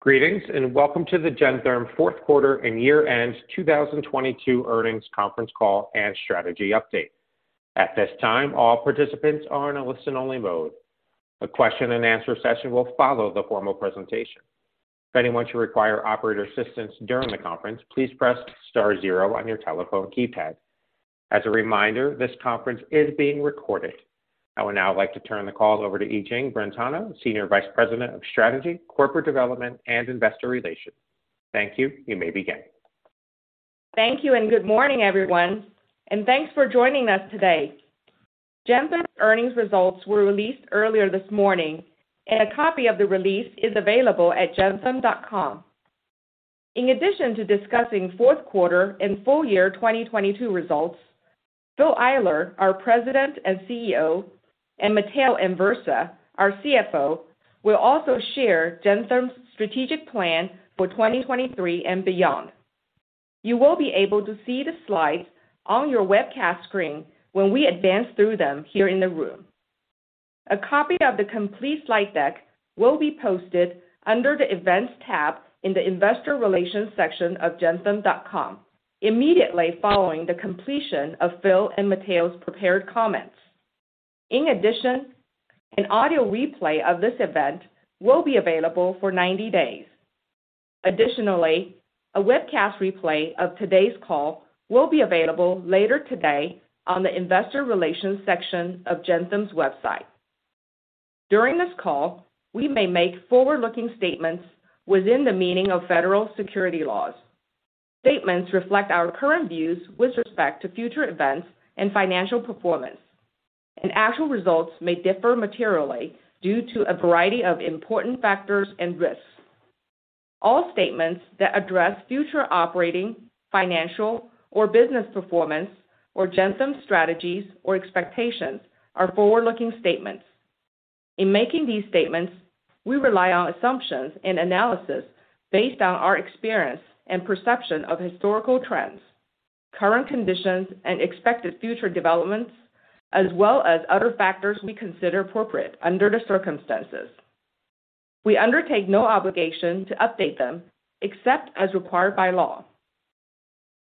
Greetings, welcome to the Gentherm Fourth Quarter and Year-End 2022 Earnings Conference Call and Strategy Update. At this time, all participants are in a listen-only mode. A question and answer session will follow the formal presentation. If anyone should require operator assistance during the conference, please press star zero on your telephone keypad. As a reminder, this conference is being recorded. I would now like to turn the call over to Yijing Brentano, Senior Vice President of Strategy, Corporate Development, and Investor Relations. Thank you. You may begin. Thank you, and good morning, everyone, and thanks for joining us today. Gentherm's earnings results were released earlier this morning, and a copy of the release is available at gentherm.com. In addition to discussing fourth quarter and full year 2022 results, Phil Eyler, our President and CEO, and Matteo Anversa, our CFO, will also share Gentherm's strategic plan for 2023 and beyond. You will be able to see the slides on your webcast screen when we advance through them here in the room. A copy of the complete slide deck will be posted under the Events tab in the Investor Relations section of gentherm.com immediately following the completion of Phil and Matteo's prepared comments. In addition, an audio replay of this event will be available for 90 days. Additionally, a webcast replay of today's call will be available later today on the Investor Relations section of Gentherm's website. During this call, we may make forward-looking statements within the meaning of federal securities laws. Statements reflect our current views with respect to future events and financial performance, actual results may differ materially due to a variety of important factors and risks. All statements that address future operating, financial or business performance or Gentherm strategies or expectations are forward-looking statements. In making these statements, we rely on assumptions and analysis based on our experience and perception of historical trends, current conditions, and expected future developments, as well as other factors we consider appropriate under the circumstances. We undertake no obligation to update them except as required by law.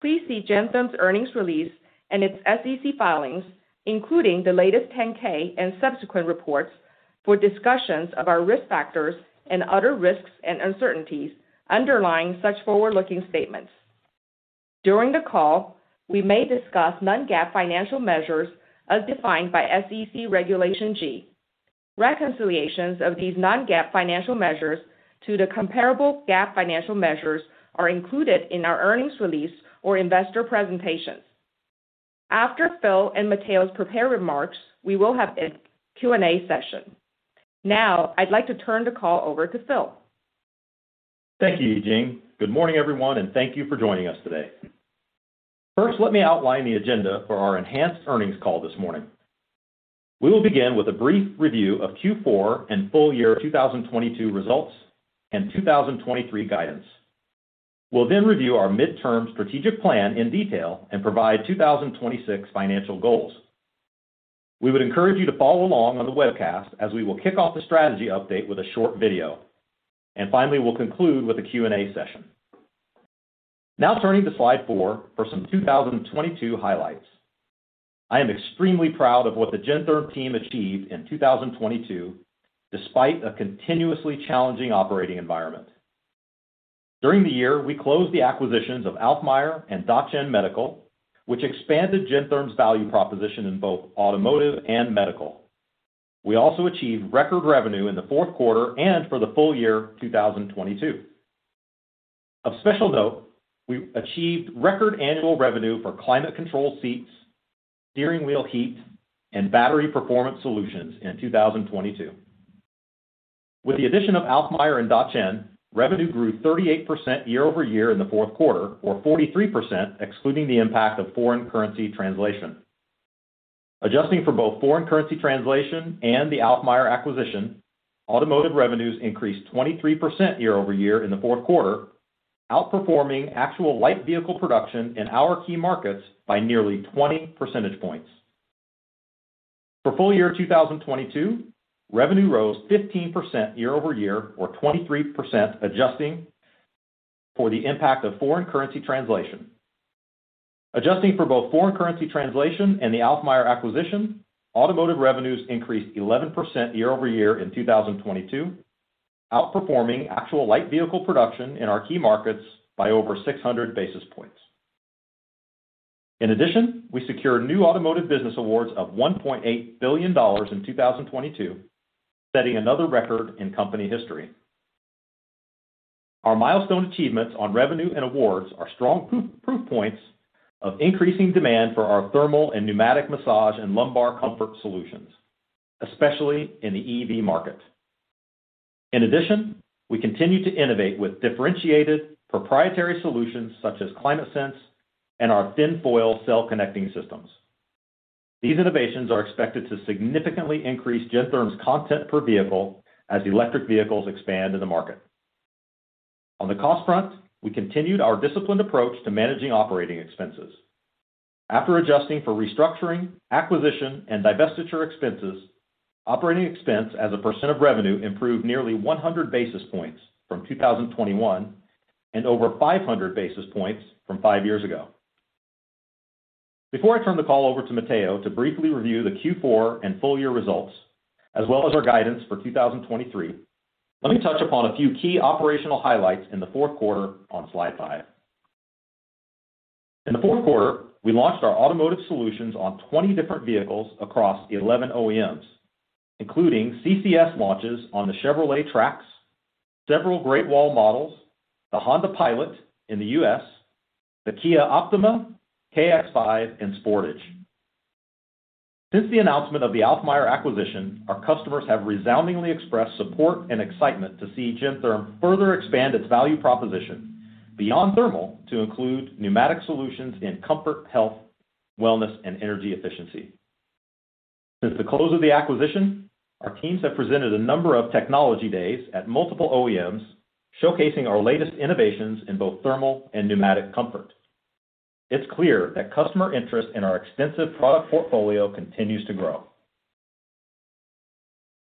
Please see Gentherm's earnings release and its SEC filings, including the latest 10-K and subsequent reports, for discussions of our risk factors and other risks and uncertainties underlying such forward-looking statements. During the call, we may discuss non-GAAP financial measures as defined by SEC Regulation G. Reconciliations of these non-GAAP financial measures to the comparable GAAP financial measures are included in our earnings release or investor presentations. After Phil and Matteo's prepared remarks, we will have a Q&A session. Now, I'd like to turn the call over to Phil. Thank you, Yijing. Good morning, everyone, thank you for joining us today. First, let me outline the agenda for our enhanced earnings call this morning. We will begin with a brief review of Q4 and full year 2022 results and 2023 guidance. We'll review our midterm strategic plan in detail and provide 2026 financial goals. We would encourage you to follow along on the webcast as we will kick off the strategy update with a short video. Finally, we'll conclude with a Q&A session. Now turning to slide four for some 2022 highlights. I am extremely proud of what the Gentherm team achieved in 2022 despite a continuously challenging operating environment. During the year, we closed the acquisitions of Alfmeier and Dacheng Medical, which expanded Gentherm's value proposition in both automotive and medical. We also achieved record revenue in the fourth quarter and for the full year 2022. Of special note, we achieved record annual revenue for climate control seats, steering wheel heat, and battery performance solutions in 2022. With the addition of Alfmeier and Dacheng, revenue grew 38% year-over-year in the fourth quarter or 43% excluding the impact of foreign currency translation. Adjusting for both foreign currency translation and the Alfmeier acquisition, automotive revenues increased 23% year-over-year in the fourth quarter, outperforming actual light vehicle production in our key markets by nearly 20 percentage points. For full year 2022, revenue rose 15% year-over-year or 23% adjusting for the impact of foreign currency translation. Adjusting for both foreign currency translation and the Alfmeier acquisition, automotive revenues increased 11% year-over-year in 2022, outperforming actual light vehicle production in our key markets by over 600 basis points. We secured new automotive business awards of $1.8 billion in 2022, setting another record in company history. Our milestone achievements on revenue and awards are strong proof points of increasing demand for our thermal and pneumatic massage and lumbar comfort solutions, especially in the EV market. We continue to innovate with differentiated proprietary solutions such as ClimateSense and our thin foil cell connecting systems. These innovations are expected to significantly increase Gentherm's content per vehicle as electric vehicles expand in the market. On the cost front, we continued our disciplined approach to managing operating expenses. After adjusting for restructuring, acquisition, and divestiture expenses, operating expense as a % of revenue improved nearly 100 basis points from 2021 and over 500 basis points from five years ago. Before I turn the call over to Matteo to briefly review the Q4 and full year results, as well as our guidance for 2023, let me touch upon a few key operational highlights in the fourth quarter on slide five. In the fourth quarter, we launched our automotive solutions on 20 different vehicles across 11 OEMs, including CCS launches on the Chevrolet Trax, several Great Wall models, the Honda Pilot in the U.S., the Kia Optima, KX5 and Sportage. Since the announcement of the Alfmeier acquisition, our customers have resoundingly expressed support and excitement to see Gentherm further expand its value proposition beyond thermal to include pneumatic solutions in comfort, health, wellness, and energy efficiency. Since the close of the acquisition, our teams have presented a number of technology days at multiple OEMs, showcasing our latest innovations in both thermal and pneumatic comfort. It's clear that customer interest in our extensive product portfolio continues to grow.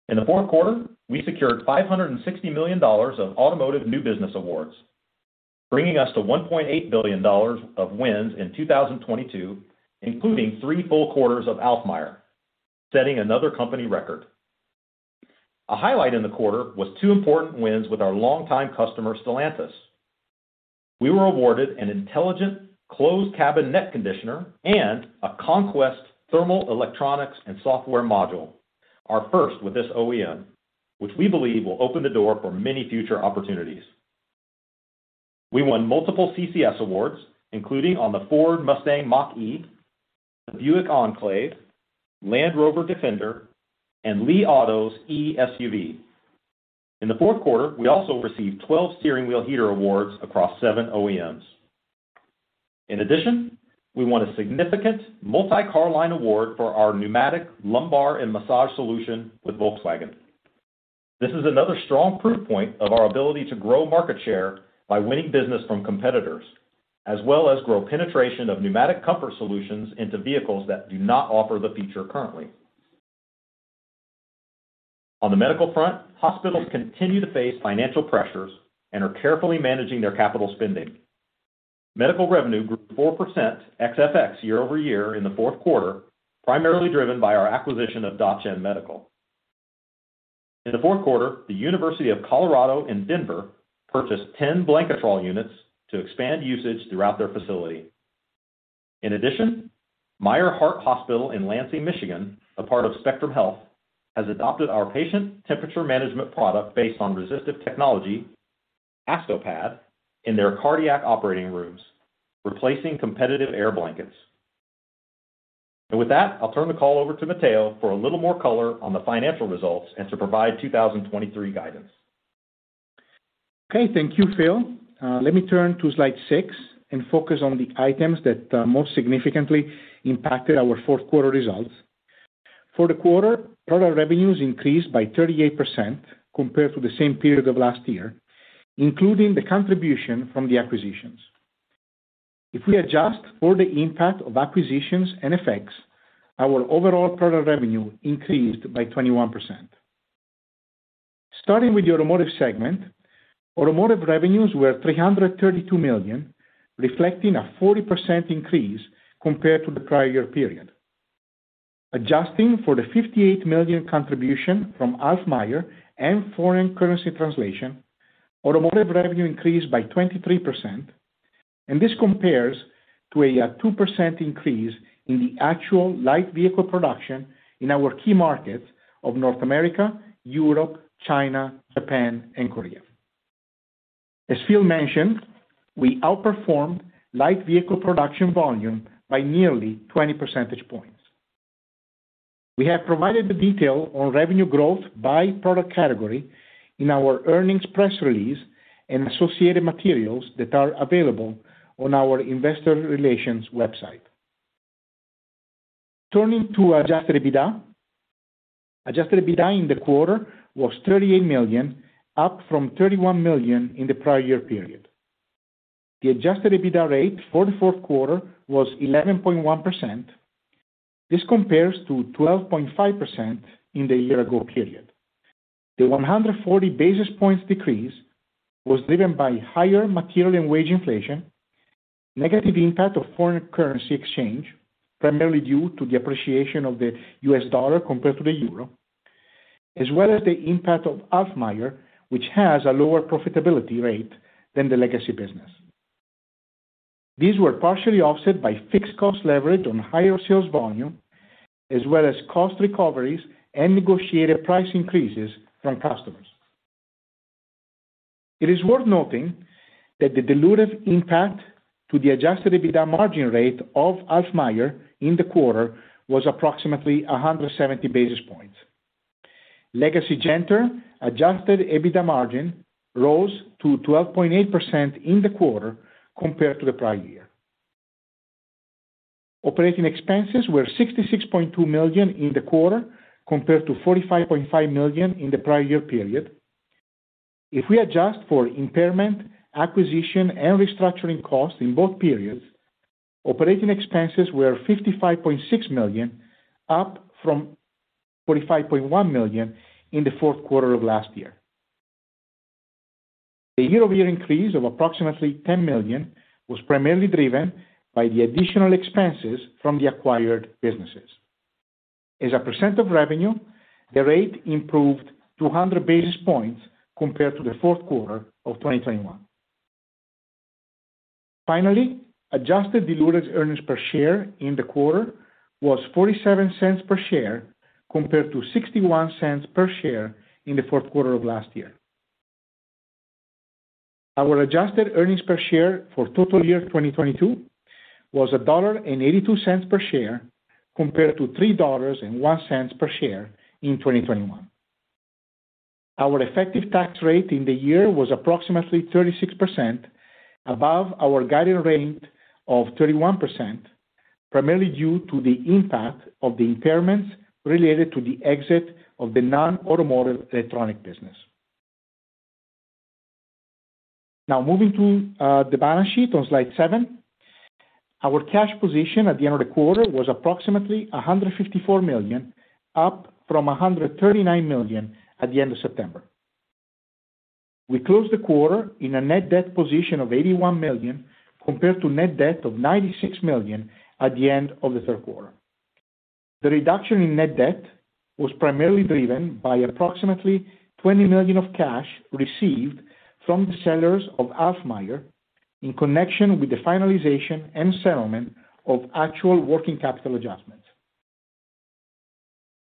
In the fourth quarter, we secured $560 million of automotive new business awards, bringing us to $1.8 billion of wins in 2022, including three full quarters of Alfmeier, setting another company record. A highlight in the quarter was two important wins with our longtime customer, Stellantis. We were awarded an intelligent closed cabin net conditioner and a conquest thermal electronics and software module. Our first with this OEM, which we believe will open the door for many future opportunities. We won multiple CCS awards, including on the Ford Mustang Mach-E, the Buick Enclave, Land Rover Defender, and Li Auto's E-SUV. In the fourth quarter, we also received 12 steering wheel heater awards across seven OEMs. In addition, we won a significant multi-car line award for our pneumatic lumbar and massage solution with Volkswagen. This is another strong proof point of our ability to grow market share by winning business from competitors, as well as grow penetration of pneumatic comfort solutions into vehicles that do not offer the feature currently. On the medical front, hospitals continue to face financial pressures and are carefully managing their capital spending. Medical revenue grew 4% ex FX year-over-year in the fourth quarter, primarily driven by our acquisition of Dacheng Medical. In the fourth quarter, the University of Colorado in Denver purchased 10 Blanketrol units to expand usage throughout their facility. In addition, Meijer Heart Hospital in Lansing, Michigan, a part of Spectrum Health, has adopted our patient temperature management product based on resistive technology, Astopad, in their cardiac operating rooms, replacing competitive air blankets. With that, I'll turn the call over to Matteo for a little more color on the financial results and to provide 2023 guidance. Okay. Thank you, Phil. Let me turn to slide six and focus on the items that most significantly impacted our fourth quarter results. For the quarter, product revenues increased by 38% compared to the same period of last year, including the contribution from the acquisitions. If we adjust for the impact of acquisitions and effects, our overall product revenue increased by 21%. Starting with the automotive segment, automotive revenues were $332 million, reflecting a 40% increase compared to the prior year period. Adjusting for the $58 million contribution from Alfmeier and foreign currency translation, automotive revenue increased by 23%, and this compares to a 2% increase in the actual light vehicle production in our key markets of North America, Europe, China, Japan, and Korea. As Phil mentioned, we outperformed light vehicle production volume by nearly 20 percentage points. We have provided the detail on revenue growth by product category in our earnings press release and associated materials that are available on our investor relations website. Turning to adjusted EBITDA. Adjusted EBITDA in the quarter was $38 million, up from $31 million in the prior year period. The adjusted EBITDA rate for the fourth quarter was 11.1%. This compares to 12.5% in the year ago period. The 140 basis points decrease was driven by higher material and wage inflation, negative impact of foreign currency exchange, primarily due to the appreciation of the US dollar compared to the euro, as well as the impact of Alfmeier, which has a lower profitability rate than the legacy business. These were partially offset by fixed cost leverage on higher sales volume as well as cost recoveries and negotiated price increases from customers. It is worth noting that the dilutive impact to the adjusted EBITDA margin rate of Alfmeier in the quarter was approximately 170 basis points. Legacy Gentherm adjusted EBITDA margin rose to 12.8% in the quarter compared to the prior year. Operating expenses were $66.2 million in the quarter, compared to $45.5 million in the prior year period. If we adjust for impairment, acquisition, and restructuring costs in both periods, operating expenses were $55.6 million, up from $45.1 million in the fourth quarter of last year. The year-over-year increase of approximately $10 million was primarily driven by the additional expenses from the acquired businesses. As a % of revenue, the rate improved 200 basis points compared to the fourth quarter of 2021. Finally, adjusted diluted earnings per share in the quarter was $0.47 per share compared to $0.61 per share in the fourth quarter of last year. Our adjusted earnings per share for total year 2022 was $1.82 per share compared to $3.01 per share in 2021. Our effective tax rate in the year was approximately 36% above our guided range of 31%, primarily due to the impact of the impairments related to the exit of the non-automotive electronic business. Now, moving to the balance sheet on slide seven. Our cash position at the end of the quarter was approximately $154 million, up from $139 million at the end of September. We closed the quarter in a net debt position of $81 million compared to net debt of $96 million at the end of the third quarter. The reduction in net debt was primarily driven by approximately $20 million of cash received from the sellers of Alfmeier in connection with the finalization and settlement of actual working capital adjustments.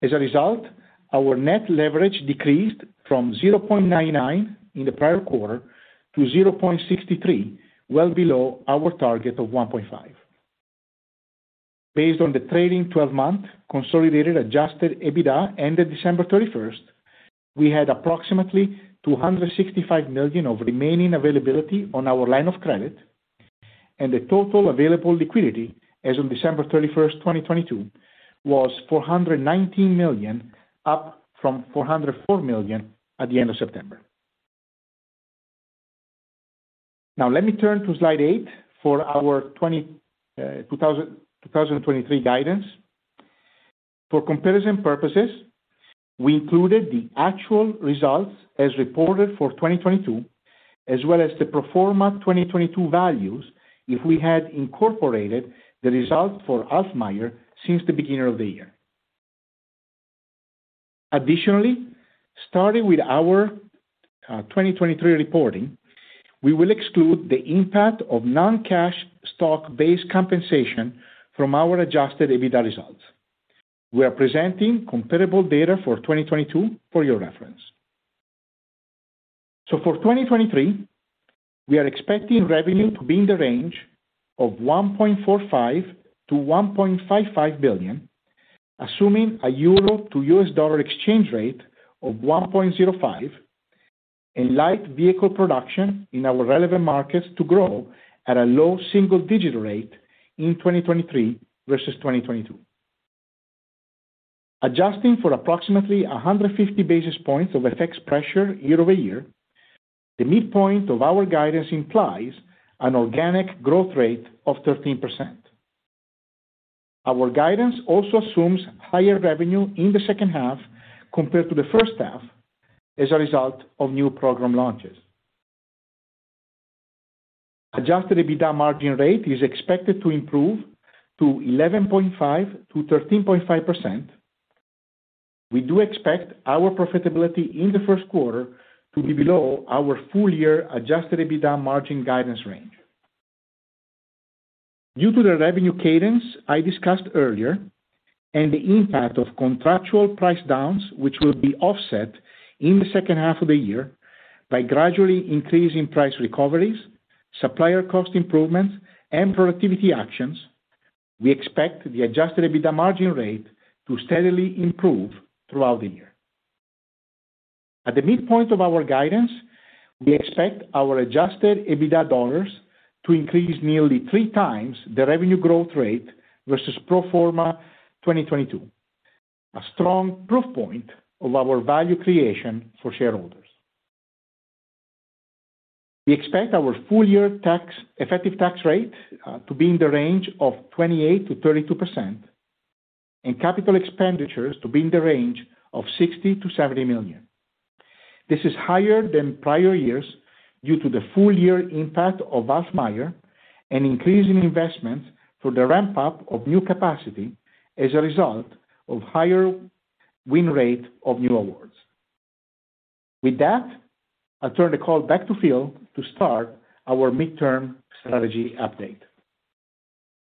As a result, our net leverage decreased from 0.99 in the prior quarter to 0.63, well below our target of 1.5. Based on the trailing twelve-month consolidated adjusted EBITDA ended December 31st, we had approximately $265 million of remaining availability on our line of credit, and the total available liquidity as on December 31st, 2022, was $419 million, up from $404 million at the end of September. Now, let me turn to slide eight for our 2023 guidance. For comparison purposes, we included the actual results as reported for 2022, as well as the pro forma 2022 values if we had incorporated the results for Alfmeier since the beginning of the year. Additionally, starting with our 2023 reporting, we will exclude the impact of non-cash stock-based compensation from our adjusted EBITDA results. We are presenting comparable data for 2022 for your reference. For 2023, we are expecting revenue to be in the range of $1.45 billion-$1.55 billion, assuming a euro to US dollar exchange rate of 1.05 and light vehicle production in our relevant markets to grow at a low single-digit rate in 2023 versus 2022. Adjusting for approximately 150 basis points of FX pressure year-over-year, the midpoint of our guidance implies an organic growth rate of 13%. Our guidance also assumes higher revenue in the second half compared to the first half as a result of new program launches. Adjusted EBITDA margin rate is expected to improve to 11.5%-13.5%. We do expect our profitability in the first quarter to be below our full year adjusted EBITDA margin guidance range. Due to the revenue cadence I discussed earlier and the impact of contractual price downs, which will be offset in the second half of the year by gradually increasing price recoveries, supplier cost improvements, and productivity actions, we expect the adjusted EBITDA margin rate to steadily improve throughout the year. At the midpoint of our guidance, we expect our adjusted EBITDA dollars to increase nearly three times the revenue growth rate versus pro forma 2022, a strong proof point of our value creation for shareholders. We expect our full year effective tax rate to be in the range of 28%-32% and capital expenditures to be in the range of $60 million-$70 million. This is higher than prior years due to the full year impact of Alfmeier and increase in investments for the ramp-up of new capacity as a result of higher win rate of new awards. I'll turn the call back to Phil to start our midterm strategy update.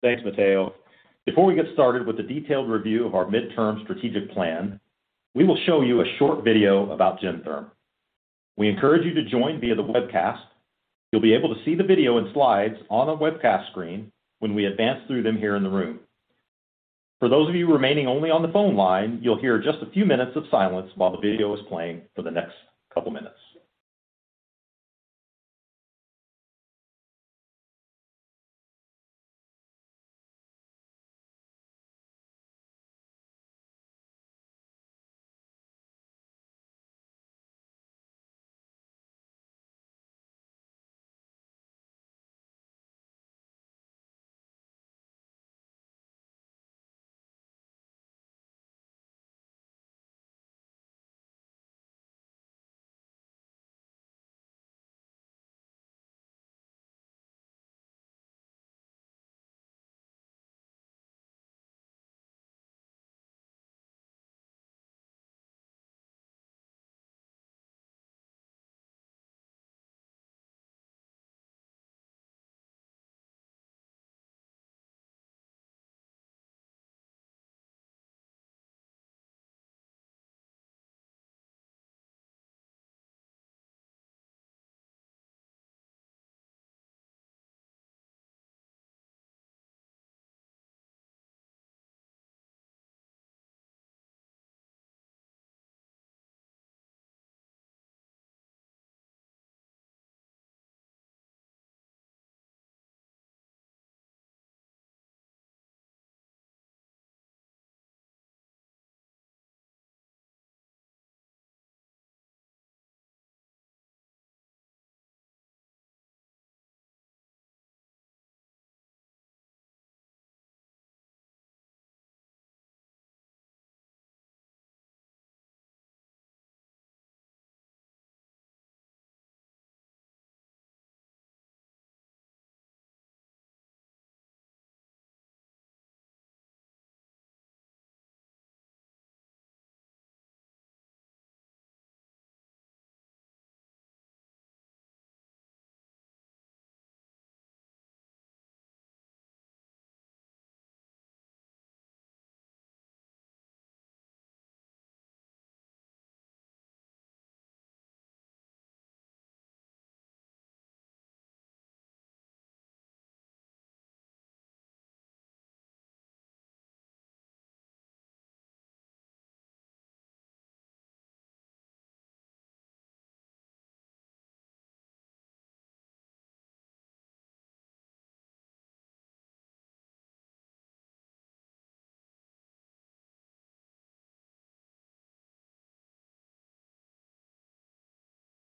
Thanks, Matteo. Before we get started with the detailed review of our midterm strategic plan, we will show you a short video about Gentherm. We encourage you to join via the webcast. You'll be able to see the video and slides on the webcast screen when we advance through them here in the room. For those of you remaining only on the phone line, you'll hear just a few minutes of silence while the video is playing for the next couple minutes.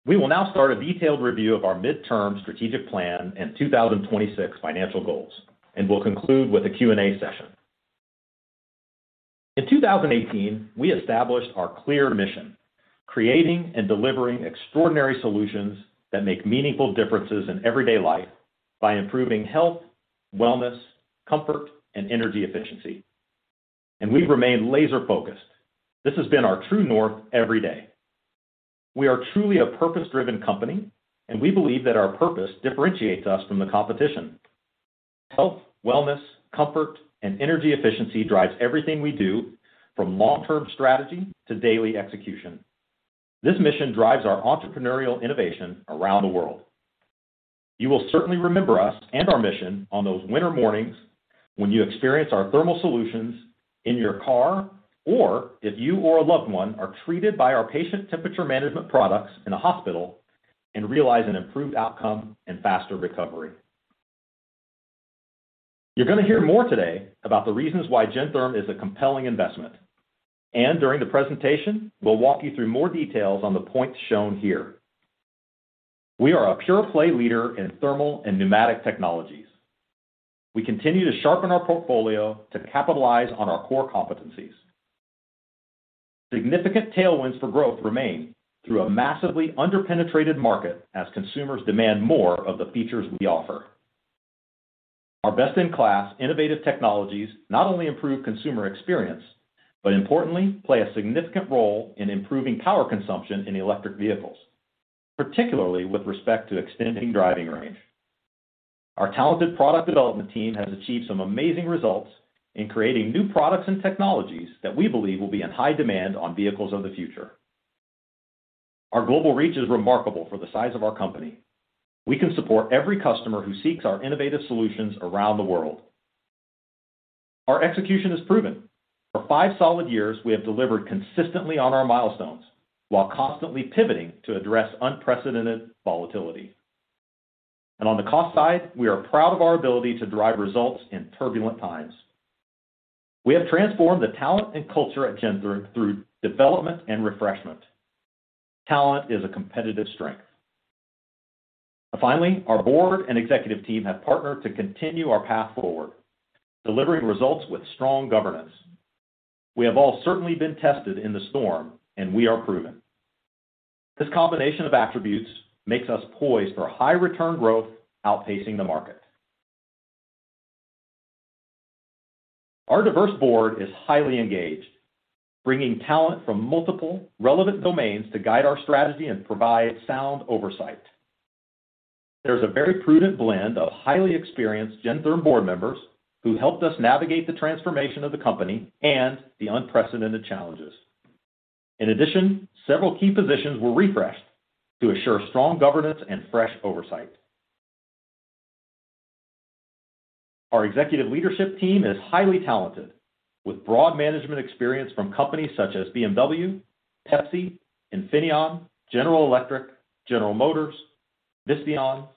We will now start a detailed review of our midterm strategic plan and 2026 financial goals. We'll conclude with a Q&A session. In 2018, we established our clear mission, creating and delivering extraordinary solutions that make meaningful differences in everyday life by improving health, wellness, comfort, and energy efficiency. We've remained laser-focused. This has been our true north every day. We are truly a purpose-driven company, and we believe that our purpose differentiates us from the competition. Health, wellness, comfort, and energy efficiency drives everything we do from long-term strategy to daily execution. This mission drives our entrepreneurial innovation around the world. You will certainly remember us and our mission on those winter mornings when you experience our thermal solutions in your car, or if you or a loved one are treated by our patient temperature management products in a hospital and realize an improved outcome and faster recovery. You're gonna hear more today about the reasons why Gentherm is a compelling investment. During the presentation, we'll walk you through more details on the points shown here. We are a pure-play leader in thermal and pneumatic technologies. We continue to sharpen our portfolio to capitalize on our core competencies. Significant tailwinds for growth remain through a massively under-penetrated market as consumers demand more of the features we offer. Our best-in-class innovative technologies not only improve consumer experience, but importantly play a significant role in improving power consumption in electric vehicles, particularly with respect to extending driving range. Our talented product development team has achieved some amazing results in creating new products and technologies that we believe will be in high demand on vehicles of the future. Our global reach is remarkable for the size of our company. We can support every customer who seeks our innovative solutions around the world. Our execution is proven. For five solid years, we have delivered consistently on our milestones while constantly pivoting to address unprecedented volatility. On the cost side, we are proud of our ability to drive results in turbulent times. We have transformed the talent and culture at Gentherm through development and refreshment. Talent is a competitive strength. Finally, our board and executive team have partnered to continue our path forward, delivering results with strong governance. We have all certainly been tested in the storm, and we are proven. This combination of attributes makes us poised for high return growth outpacing the market. Our diverse board is highly engaged, bringing talent from multiple relevant domains to guide our strategy and provide sound oversight. There's a very prudent blend of highly experienced Gentherm board members who helped us navigate the transformation of the company and the unprecedented challenges. In addition, several key positions were refreshed to assure strong governance and fresh oversight. Our executive leadership team is highly talented with broad management experience from companies such as BMW, Pepsi, Infineon, General Electric, General Motors, Visteon,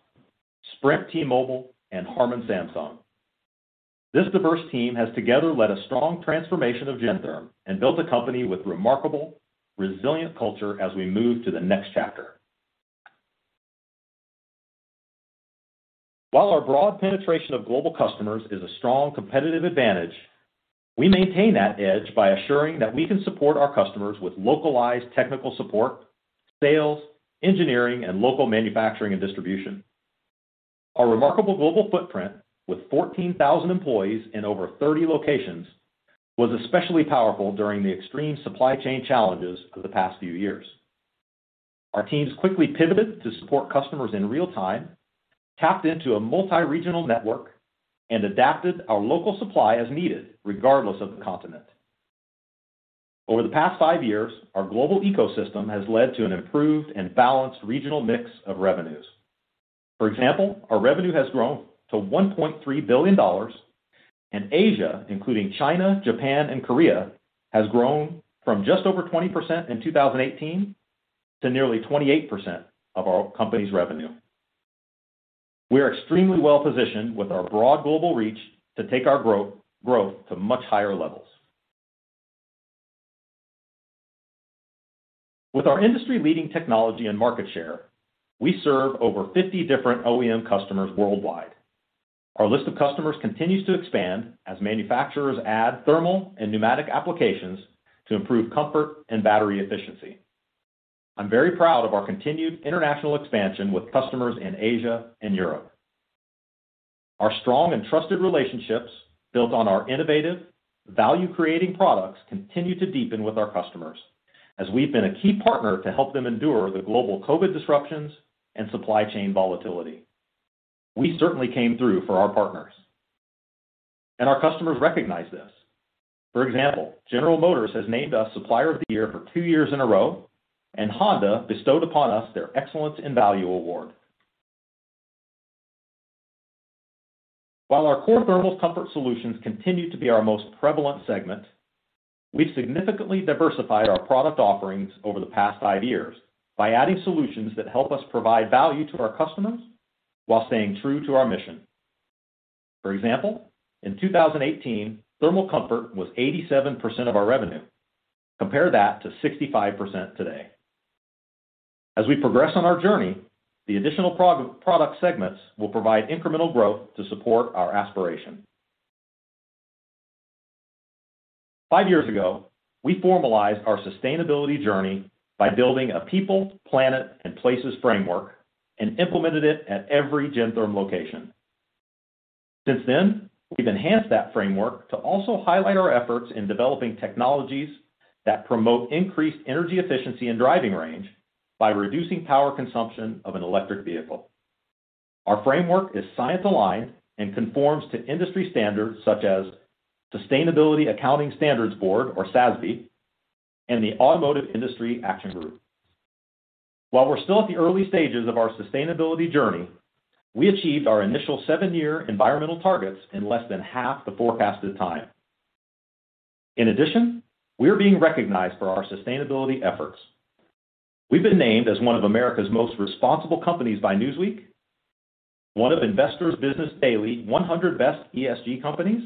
Sprint, T-Mobile, and Harman, Samsung. This diverse team has together led a strong transformation of Gentherm and built a company with remarkable resilient culture as we move to the next chapter. While our broad penetration of global customers is a strong competitive advantage, we maintain that edge by assuring that we can support our customers with localized technical support, sales, engineering, and local manufacturing and distribution. Our remarkable global footprint with 14,000 employees in over 30 locations was especially powerful during the extreme supply chain challenges of the past few years. Our teams quickly pivoted to support customers in real time, tapped into a multi-regional network and adapted our local supply as needed, regardless of the continent. Over the past five years, our global ecosystem has led to an improved and balanced regional mix of revenues. For example, our revenue has grown to $1.3 billion. Asia, including China, Japan, and Korea, has grown from just over 20% in 2018 to nearly 28% of our company's revenue. We are extremely well-positioned with our broad global reach to take our growth to much higher levels. With our industry-leading technology and market share, we serve over 50 different OEM customers worldwide. Our list of customers continues to expand as manufacturers add thermal and pneumatic applications to improve comfort and battery efficiency. I'm very proud of our continued international expansion with customers in Asia and Europe. Our strong and trusted relationships built on our innovative value-creating products continue to deepen with our customers as we've been a key partner to help them endure the global COVID disruptions and supply chain volatility. We certainly came through for our partners, and our customers recognize this. For example, General Motors has named us Supplier of the Year for two years in a row, and Honda bestowed upon us their Excellence in Value Award. While our core thermal comfort solutions continue to be our most prevalent segment, we've significantly diversified our product offerings over the past five years by adding solutions that help us provide value to our customers while staying true to our mission. For example, in 2018, thermal comfort was 87% of our revenue. Compare that to 65% today. As we progress on our journey, the additional product segments will provide incremental growth to support our aspiration. Five years ago, we formalized our sustainability journey by building a people, planet, and places framework and implemented it at every Gentherm location. Since then, we've enhanced that framework to also highlight our efforts in developing technologies that promote increased energy efficiency and driving range by reducing power consumption of an electric vehicle. Our framework is science-aligned and conforms to industry standards such as Sustainability Accounting Standards Board, or SASB, and the Automotive Industry Action Group. While we're still at the early stages of our sustainability journey, we achieved our initial seven-year environmental targets in less than half the forecasted time. We are being recognized for our sustainability efforts. We've been named as one of America's most responsible companies by Newsweek, one of Investor's Business Daily 100 best ESG companies,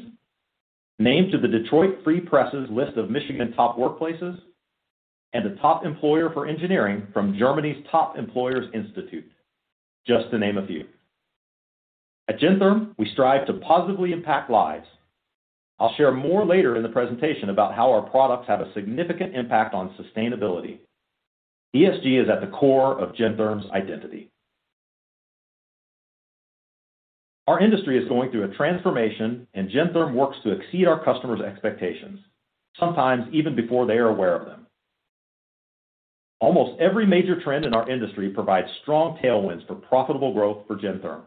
named to the Detroit Free Press's list of Michigan top workplaces, and a top employer for engineering from Germany's Top Employers Institute, just to name a few. At Gentherm, we strive to positively impact lives. I'll share more later in the presentation about how our products have a significant impact on sustainability. ESG is at the core of Gentherm's identity. Our industry is going through a transformation, Gentherm works to exceed our customers' expectations, sometimes even before they are aware of them. Almost every major trend in our industry provides strong tailwinds for profitable growth for Gentherm.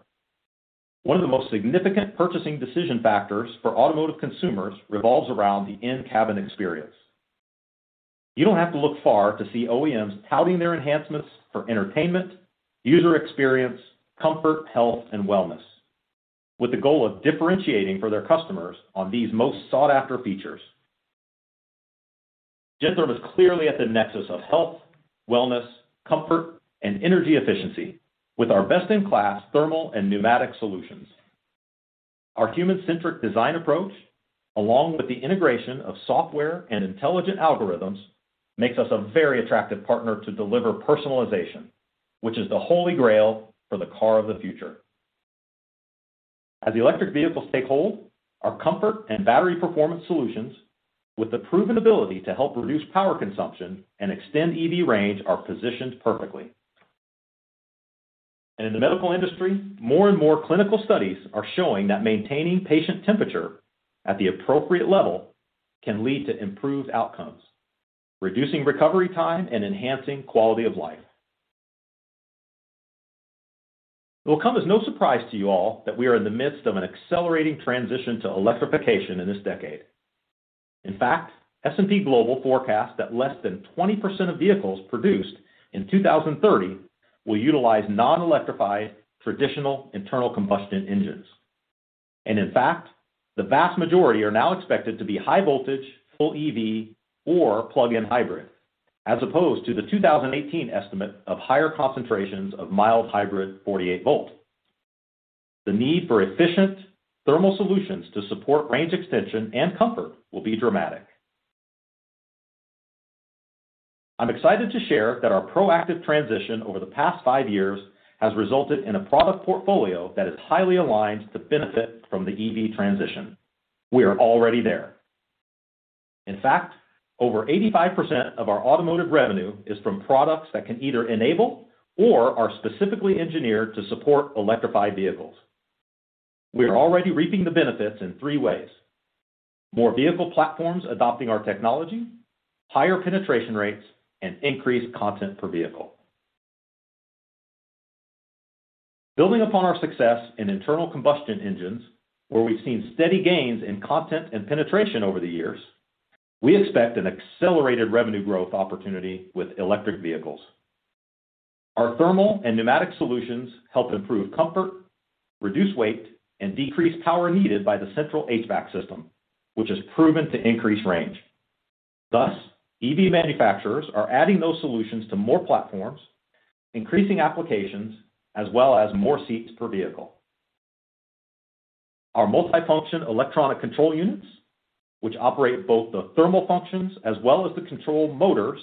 One of the most significant purchasing decision factors for automotive consumers revolves around the in-cabin experience. You don't have to look far to see OEMs touting their enhancements for entertainment, user experience, comfort, health, and wellness with the goal of differentiating for their customers on these most sought-after features. Gentherm is clearly at the nexus of health, wellness, comfort, and energy efficiency with our best-in-class thermal and pneumatic solutions. Our human-centric design approach, along with the integration of software and intelligent algorithms, makes us a very attractive partner to deliver personalization, which is the holy grail for the car of the future. As electric vehicles take hold, our comfort and battery performance solutions with the proven ability to help reduce power consumption and extend EV range are positioned perfectly. In the medical industry, more and more clinical studies are showing that maintaining patient temperature at the appropriate level can lead to improved outcomes, reducing recovery time and enhancing quality of life. It will come as no surprise to you all that we are in the midst of an accelerating transition to electrification in this decade. In fact, S&P Global forecasts that less than 20% of vehicles produced in 2030 will utilize non-electrified traditional internal combustion engines. In fact, the vast majority are now expected to be high voltage, full EV or plug-in hybrid, as opposed to the 2018 estimate of higher concentrations of mild hybrid 48 volt. The need for efficient thermal solutions to support range extension and comfort will be dramatic. I'm excited to share that our proactive transition over the past five years has resulted in a product portfolio that is highly aligned to benefit from the EV transition. We are already there. In fact, over 85% of our automotive revenue is from products that can either enable or are specifically engineered to support electrified vehicles. We are already reaping the benefits in three ways: more vehicle platforms adopting our technology, higher penetration rates, and increased content per vehicle. Building upon our success in internal combustion engines, where we've seen steady gains in content and penetration over the years, we expect an accelerated revenue growth opportunity with electric vehicles. Our thermal and pneumatic solutions help improve comfort, reduce weight, and decrease power needed by the central HVAC system, which is proven to increase range. EV manufacturers are adding those solutions to more platforms, increasing applications, as well as more seats per vehicle. Our multifunction electronic control units, which operate both the thermal functions as well as the control motors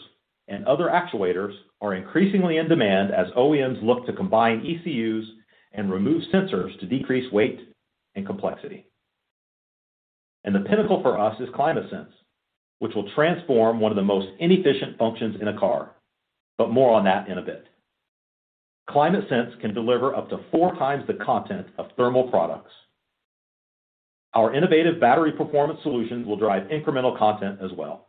and other actuators, are increasingly in demand as OEMs look to combine ECUs and remove sensors to decrease weight and complexity. The pinnacle for us is ClimateSense, which will transform one of the most inefficient functions in a car. More on that in a bit. ClimateSense can deliver up to four times the content of thermal products. Our innovative battery performance solutions will drive incremental content as well.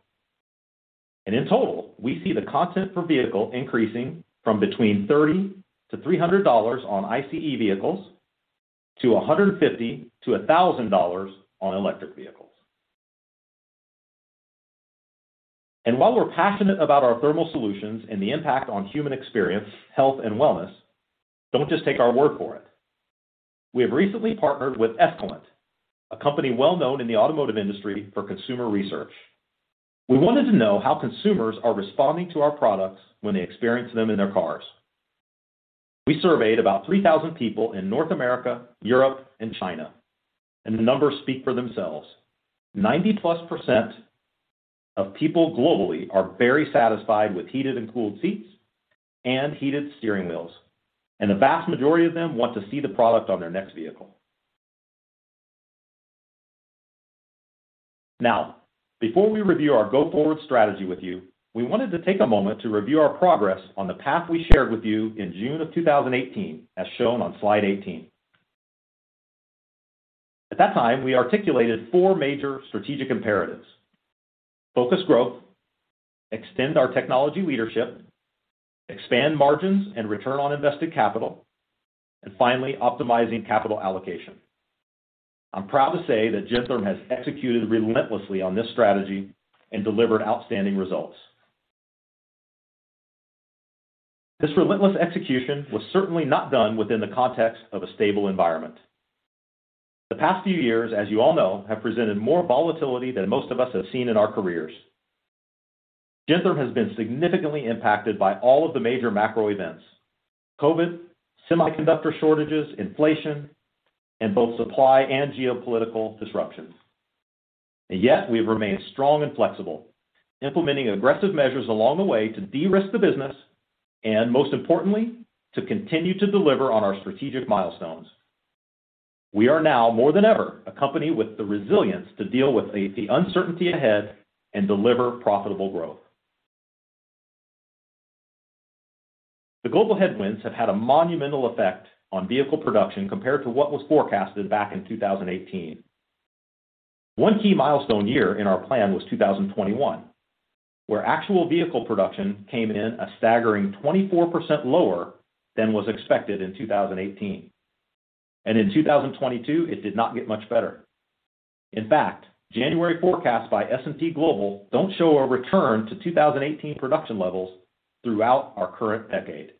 In total, we see the content per vehicle increasing from between $30-$300 on ICE vehicles to $150-$1,000 on electric vehicles. While we're passionate about our thermal solutions and the impact on human experience, health and wellness, don't just take our word for it. We have recently partnered with Escalent, a company well-known in the automotive industry for consumer research. We wanted to know how consumers are responding to our products when they experience them in their cars. We surveyed about 3,000 people in North America, Europe and China, and the numbers speak for themselves. 90-plus % of people globally are very satisfied with heated and cooled seats and heated steering wheels, and the vast majority of them want to see the product on their next vehicle. Now, before we review our go-forward strategy with you, we wanted to take a moment to review our progress on the path we shared with you in June of 2018, as shown on slide 18. At that time, we articulated four major strategic imperatives: focus growth, extend our technology leadership, expand margins and return on invested capital, and finally, optimizing capital allocation. I'm proud to say that Gentherm has executed relentlessly on this strategy and delivered outstanding results. This relentless execution was certainly not done within the context of a stable environment. The past few years, as you all know, have presented more volatility than most of us have seen in our careers. Gentherm has been significantly impacted by all of the major macro events: COVID, semiconductor shortages, inflation, and both supply and geopolitical disruptions. Yet we've remained strong and flexible, implementing aggressive measures along the way to de-risk the business and most importantly, to continue to deliver on our strategic milestones. We are now more than ever, a company with the resilience to deal with the uncertainty ahead and deliver profitable growth. The global headwinds have had a monumental effect on vehicle production compared to what was forecasted back in 2018. One key milestone year in our plan was 2021, where actual vehicle production came in a staggering 24% lower than was expected in 2018. In 2022, it did not get much better. In fact, January forecasts by S&P Global don't show a return to 2018 production levels throughout our current decade.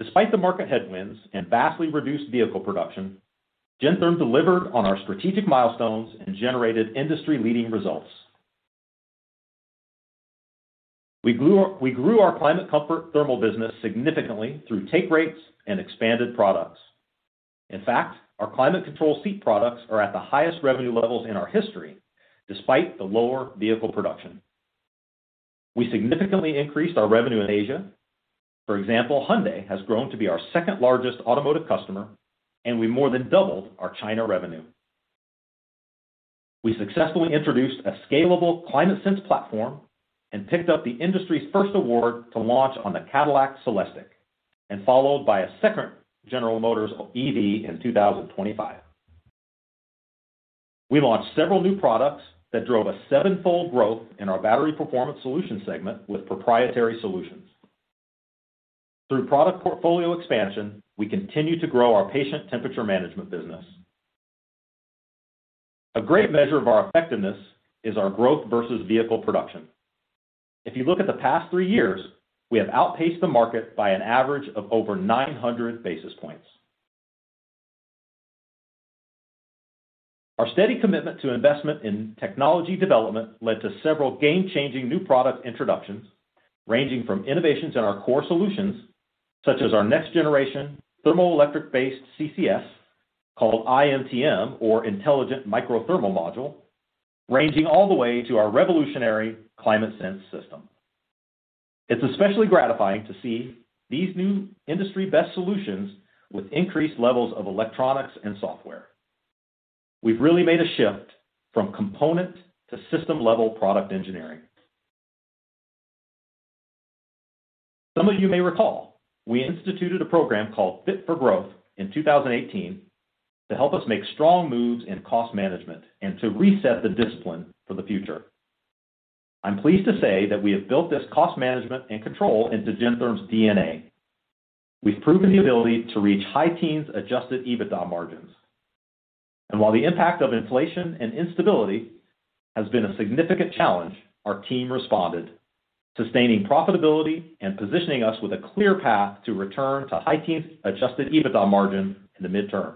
Despite the market headwinds and vastly reduced vehicle production, Gentherm delivered on our strategic milestones and generated industry-leading results. We grew our climate comfort thermal business significantly through take rates and expanded products. In fact, our climate control seat products are at the highest revenue levels in our history despite the lower vehicle production. We significantly increased our revenue in Asia. For example, Hyundai has grown to be our second-largest automotive customer, and we more than doubled our China revenue. We successfully introduced a scalable ClimateSense platform and picked up the industry's first award to launch on the Cadillac CELESTIQ and followed by a second General Motors EV in 2025. We launched several new products that drove a seven-fold growth in our battery performance solutions segment with proprietary solutions. Through product portfolio expansion, we continue to grow our patient temperature management business. A great measure of our effectiveness is our growth versus vehicle production. If you look at the past three years, we have outpaced the market by an average of over 900 basis points. Our steady commitment to investment in technology development led to several game-changing new product introductions, ranging from innovations in our core solutions, such as our next-generation thermoelectric-based CCS, called iMTM, or Intelligent Micro Thermal Module, ranging all the way to our revolutionary ClimateSense system. It's especially gratifying to see these new industry-best solutions with increased levels of electronics and software. We've really made a shift from component to system-level product engineering. Some of you may recall, we instituted a program called Fit-for-Growth in 2018 to help us make strong moves in cost management and to reset the discipline for the future. I'm pleased to say that we have built this cost management and control into Gentherm's DNA. We've proven the ability to reach high teens adjusted EBITDA margins. While the impact of inflation and instability has been a significant challenge, our team responded, sustaining profitability and positioning us with a clear path to return to high teens-adjusted EBITDA margin in the midterm.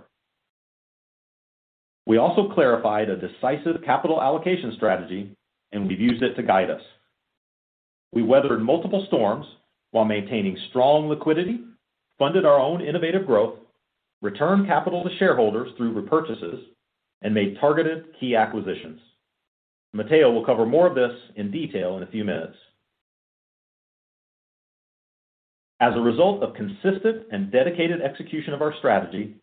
We also clarified a decisive capital allocation strategy, and we've used it to guide us. We weathered multiple storms while maintaining strong liquidity, funded our own innovative growth, returned capital to shareholders through repurchases and made targeted key acquisitions. Matteo will cover more of this in detail in a few minutes. As a result of consistent and dedicated execution of our strategy,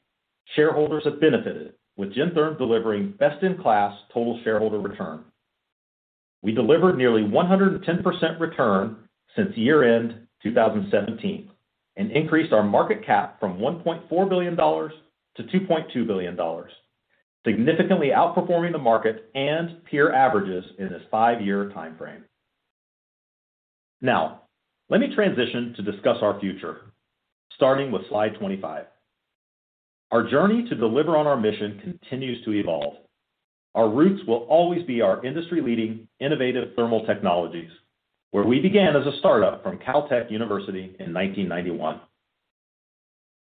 shareholders have benefited, with Gentherm delivering best-in-class total shareholder return. We delivered nearly 110% return since year-end 2017 and increased our market cap from $1.4 billion to $2.2 billion, significantly outperforming the market and peer averages in this 5-year time frame. Now, let me transition to discuss our future, starting with slide 25. Our journey to deliver on our mission continues to evolve. Our roots will always be our industry-leading innovative thermal technologies, where we began as a startup from Caltech University in 1991.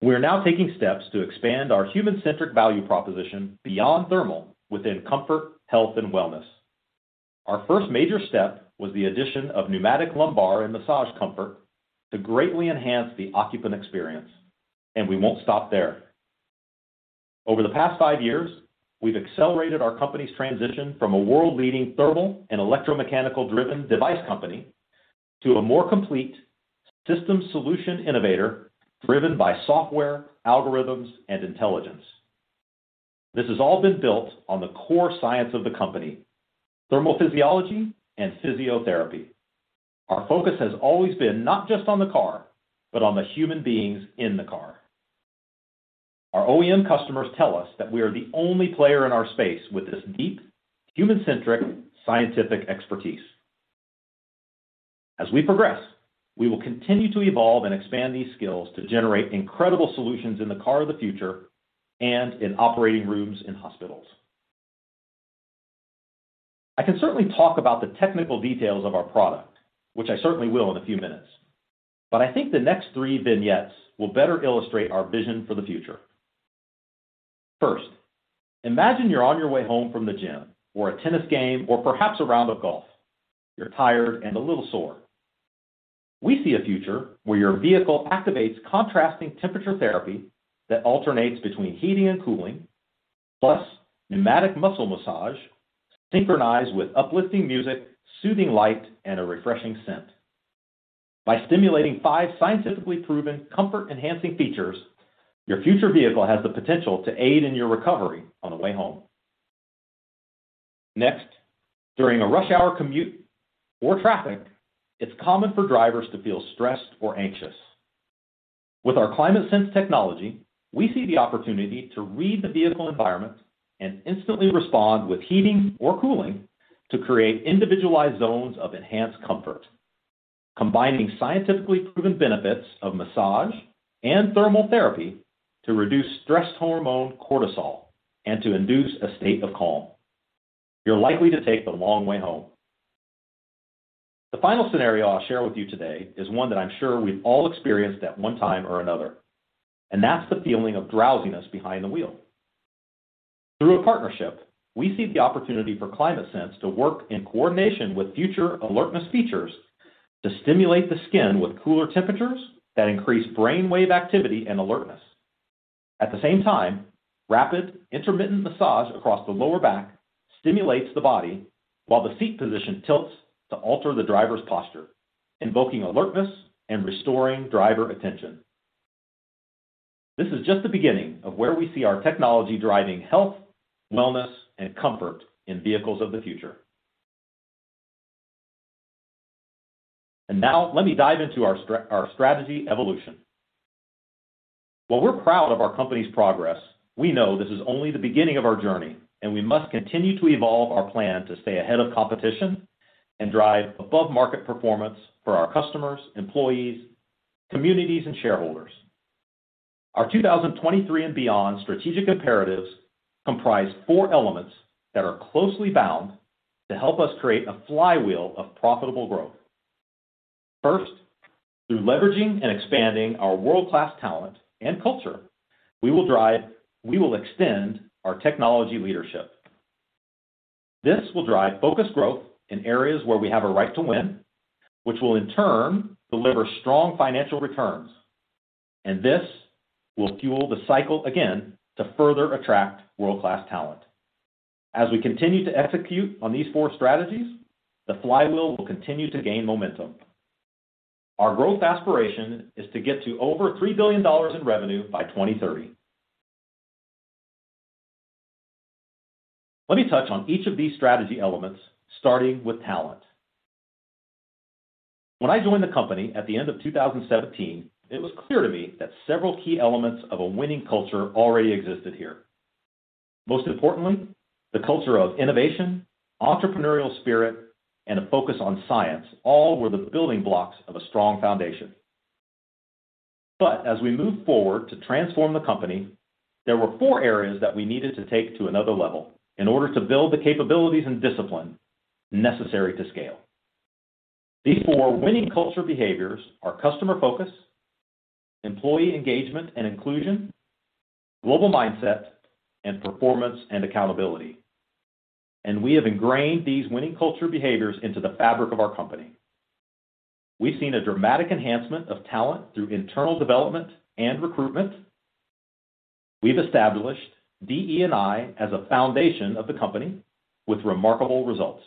We are now taking steps to expand our human-centric value proposition beyond thermal within comfort, health, and wellness. Our first major step was the addition of pneumatic lumbar and massage comfort to greatly enhance the occupant experience. We won't stop there. Over the past five years, we've accelerated our company's transition from a world-leading thermal and electromechanical-driven device company to a more complete system solution innovator driven by software, algorithms, and intelligence. This has all been built on the core science of the company, thermophysiology and physiotherapy. Our focus has always been not just on the car, but on the human beings in the car. Our OEM customers tell us that we are the only player in our space with this deep, human-centric scientific expertise. As we progress, we will continue to evolve and expand these skills to generate incredible solutions in the car of the future and in operating rooms in hospitals. I can certainly talk about the technical details of our product, which I certainly will in a few minutes, but I think the next three vignettes will better illustrate our vision for the future. First, imagine you're on your way home from the gym or a tennis game or perhaps a round of golf. You're tired and a little sore. We see a future where your vehicle activates contrasting temperature therapy that alternates between heating and cooling, plus pneumatic muscle massage synchronized with uplifting music, soothing light, and a refreshing scent. By stimulating five scientifically proven comfort-enhancing features, your future vehicle has the potential to aid in your recovery on the way home. Next, during a rush hour commute or traffic, it's common for drivers to feel stressed or anxious. With our ClimateSense technology, we see the opportunity to read the vehicle environment and instantly respond with heating or cooling to create individualized zones of enhanced comfort, combining scientifically proven benefits of massage and thermal therapy to reduce stress hormone cortisol and to induce a state of calm. You're likely to take the long way home. The final scenario I'll share with you today is one that I'm sure we've all experienced at one time or another, and that's the feeling of drowsiness behind the wheel. Through a partnership, we see the opportunity for ClimateSense to work in coordination with future alertness features to stimulate the skin with cooler temperatures that increase brainwave activity and alertness. At the same time, rapid intermittent massage across the lower back stimulates the body while the seat position tilts to alter the driver's posture, invoking alertness and restoring driver attention. This is just the beginning of where we see our technology driving health, wellness, and comfort in vehicles of the future. Now let me dive into our strategy evolution. While we're proud of our company's progress, we know this is only the beginning of our journey, and we must continue to evolve our plan to stay ahead of competition and drive above-market performance for our customers, employees, communities, and shareholders. Our 2023 and beyond strategic imperatives comprise four elements that are closely bound to help us create a flywheel of profitable growth. First, through leveraging and expanding our world-class talent and culture, we will extend our technology leadership. This will drive focused growth in areas where we have a right to win, which will in turn deliver strong financial returns. This will fuel the cycle again to further attract world-class talent. As we continue to execute on these four strategies, the flywheel will continue to gain momentum. Our growth aspiration is to get to over $3 billion in revenue by 2030. Let me touch on each of these strategy elements, starting with talent. When I joined the company at the end of 2017, it was clear to me that several key elements of a winning culture already existed here. Most importantly, the culture of innovation, entrepreneurial spirit, and a focus on science all were the building blocks of a strong foundation. As we moved forward to transform the company, there were four areas that we needed to take to another level in order to build the capabilities and discipline necessary to scale. These four winning culture behaviors are customer focus, employee engagement and inclusion, global mindset, and performance and accountability. We have ingrained these winning culture behaviors into the fabric of our company. We've seen a dramatic enhancement of talent through internal development and recruitment. We've established DE&I as a foundation of the company with remarkable results.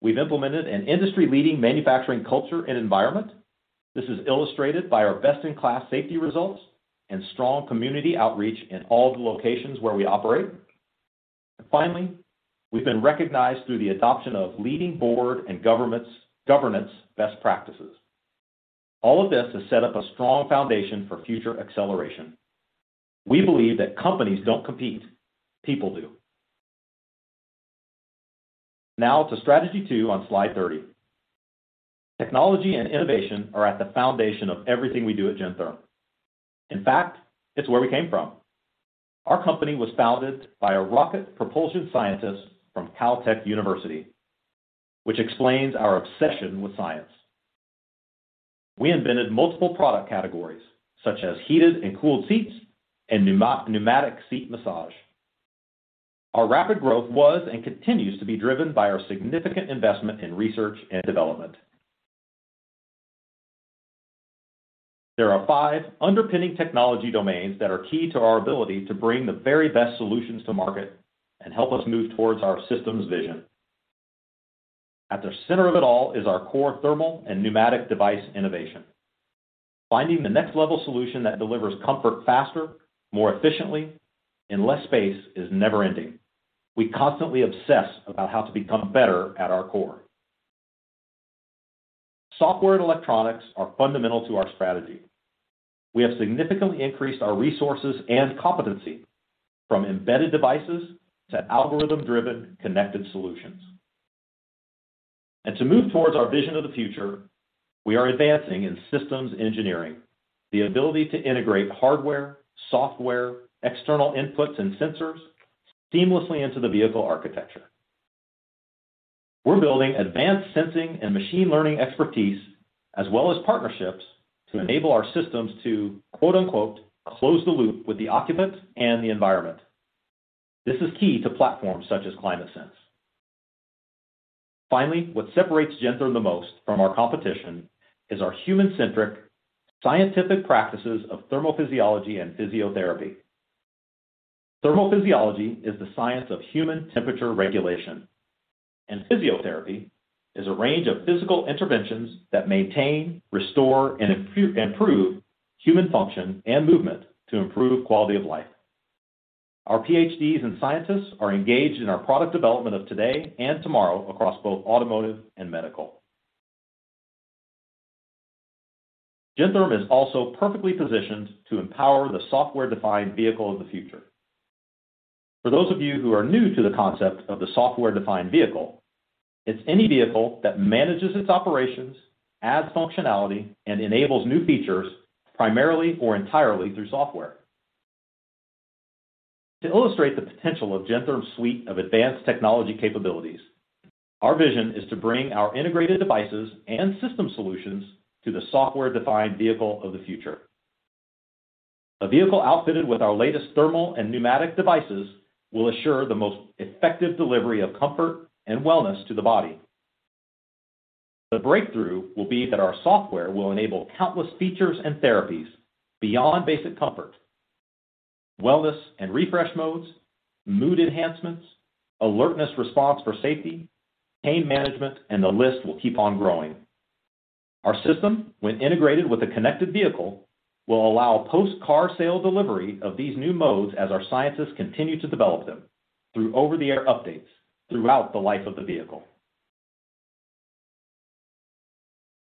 We've implemented an industry-leading manufacturing culture and environment. This is illustrated by our best-in-class safety results and strong community outreach in all the locations where we operate. Finally, we've been recognized through the adoption of leading board and governance best practices. All of this has set up a strong foundation for future acceleration. We believe that companies don't compete, people do. To strategy two on slide 30. Technology and innovation are at the foundation of everything we do at Gentherm. In fact, it's where we came from. Our company was founded by a rocket propulsion scientist from Caltech, which explains our obsession with science. We invented multiple product categories, such as heated and cooled seats and pneumatic seat massage. Our rapid growth was and continues to be driven by our significant investment in research and development. There are five underpinning technology domains that are key to our ability to bring the very best solutions to market and help us move towards our systems vision. At the center of it all is our core thermal and pneumatic device innovation. Finding the next level solution that delivers comfort faster, more efficiently, and less space is never ending. We constantly obsess about how to become better at our core. Software and electronics are fundamental to our strategy. We have significantly increased our resources and competency from embedded devices to algorithm-driven connected solutions. To move towards our vision of the future, we are advancing in systems engineering, the ability to integrate hardware, software, external inputs, and sensors seamlessly into the vehicle architecture. We're building advanced sensing and machine learning expertise as well as partnerships to enable our systems to quote unquote, "close the loop with the occupant and the environment". This is key to platforms such as ClimateSense. Finally, what separates Gentherm the most from our competition is our human-centric scientific practices of thermophysiology and physiotherapy. Thermophysiology is the science of human temperature regulation, and physiotherapy is a range of physical interventions that maintain, restore, and improve human function and movement to improve quality of life. Our PhDs and scientists are engaged in our product development of today and tomorrow across both automotive and medical. Gentherm is also perfectly positioned to empower the software-defined vehicle of the future. For those of you who are new to the concept of the software-defined vehicle, it's any vehicle that manages its operations, adds functionality, and enables new features primarily or entirely through software. To illustrate the potential of Gentherm's suite of advanced technology capabilities, our vision is to bring our integrated devices and system solutions to the software-defined vehicle of the future. A vehicle outfitted with our latest thermal and pneumatic devices will assure the most effective delivery of comfort and wellness to the body. The breakthrough will be that our software will enable countless features and therapies beyond basic comfort, wellness and refresh modes, mood enhancements, alertness response for safety, pain management, and the list will keep on growing. Our system, when integrated with a connected vehicle, will allow post-car sale delivery of these new modes as our scientists continue to develop them through over-the-air updates throughout the life of the vehicle.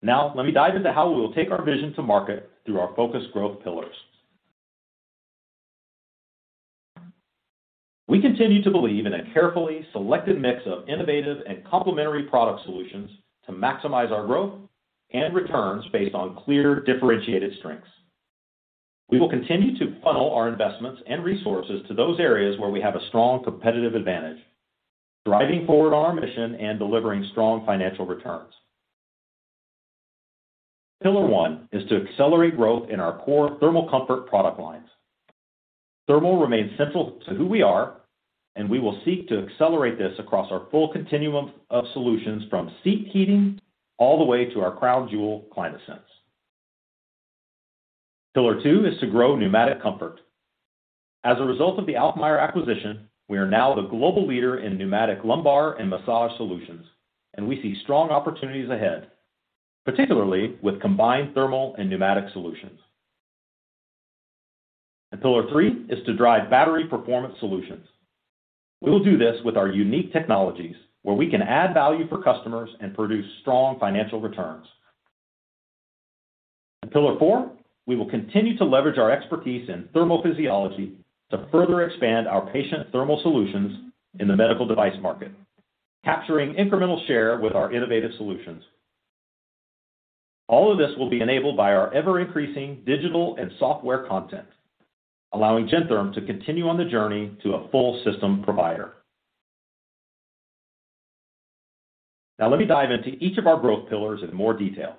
Let me dive into how we will take our vision to market through our focused growth pillars. We continue to believe in a carefully selected mix of innovative and complementary product solutions to maximize our growth and returns based on clear differentiated strengths. We will continue to funnel our investments and resources to those areas where we have a strong competitive advantage, driving forward our mission and delivering strong financial returns. Pillar one is to accelerate growth in our core thermal comfort product lines. Thermal remains central to who we are, and we will seek to accelerate this across our full continuum of solutions from seat heating all the way to our crown jewel, ClimateSense. Pillar two is to grow pneumatic comfort. As a result of the Alfmeier acquisition, we are now the global leader in pneumatic lumbar and massage solutions, and we see strong opportunities ahead, particularly with combined thermal and pneumatic solutions. Pillar Three is to drive battery performance solutions. We will do this with our unique technologies, where we can add value for customers and produce strong financial returns. In Pillar four, we will continue to leverage our expertise in thermophysiology to further expand our patient thermal solutions in the medical device market, capturing incremental share with our innovative solutions. All of this will be enabled by our ever-increasing digital and software content, allowing Gentherm to continue on the journey to a full system provider. Now let me dive into each of our growth pillars in more detail.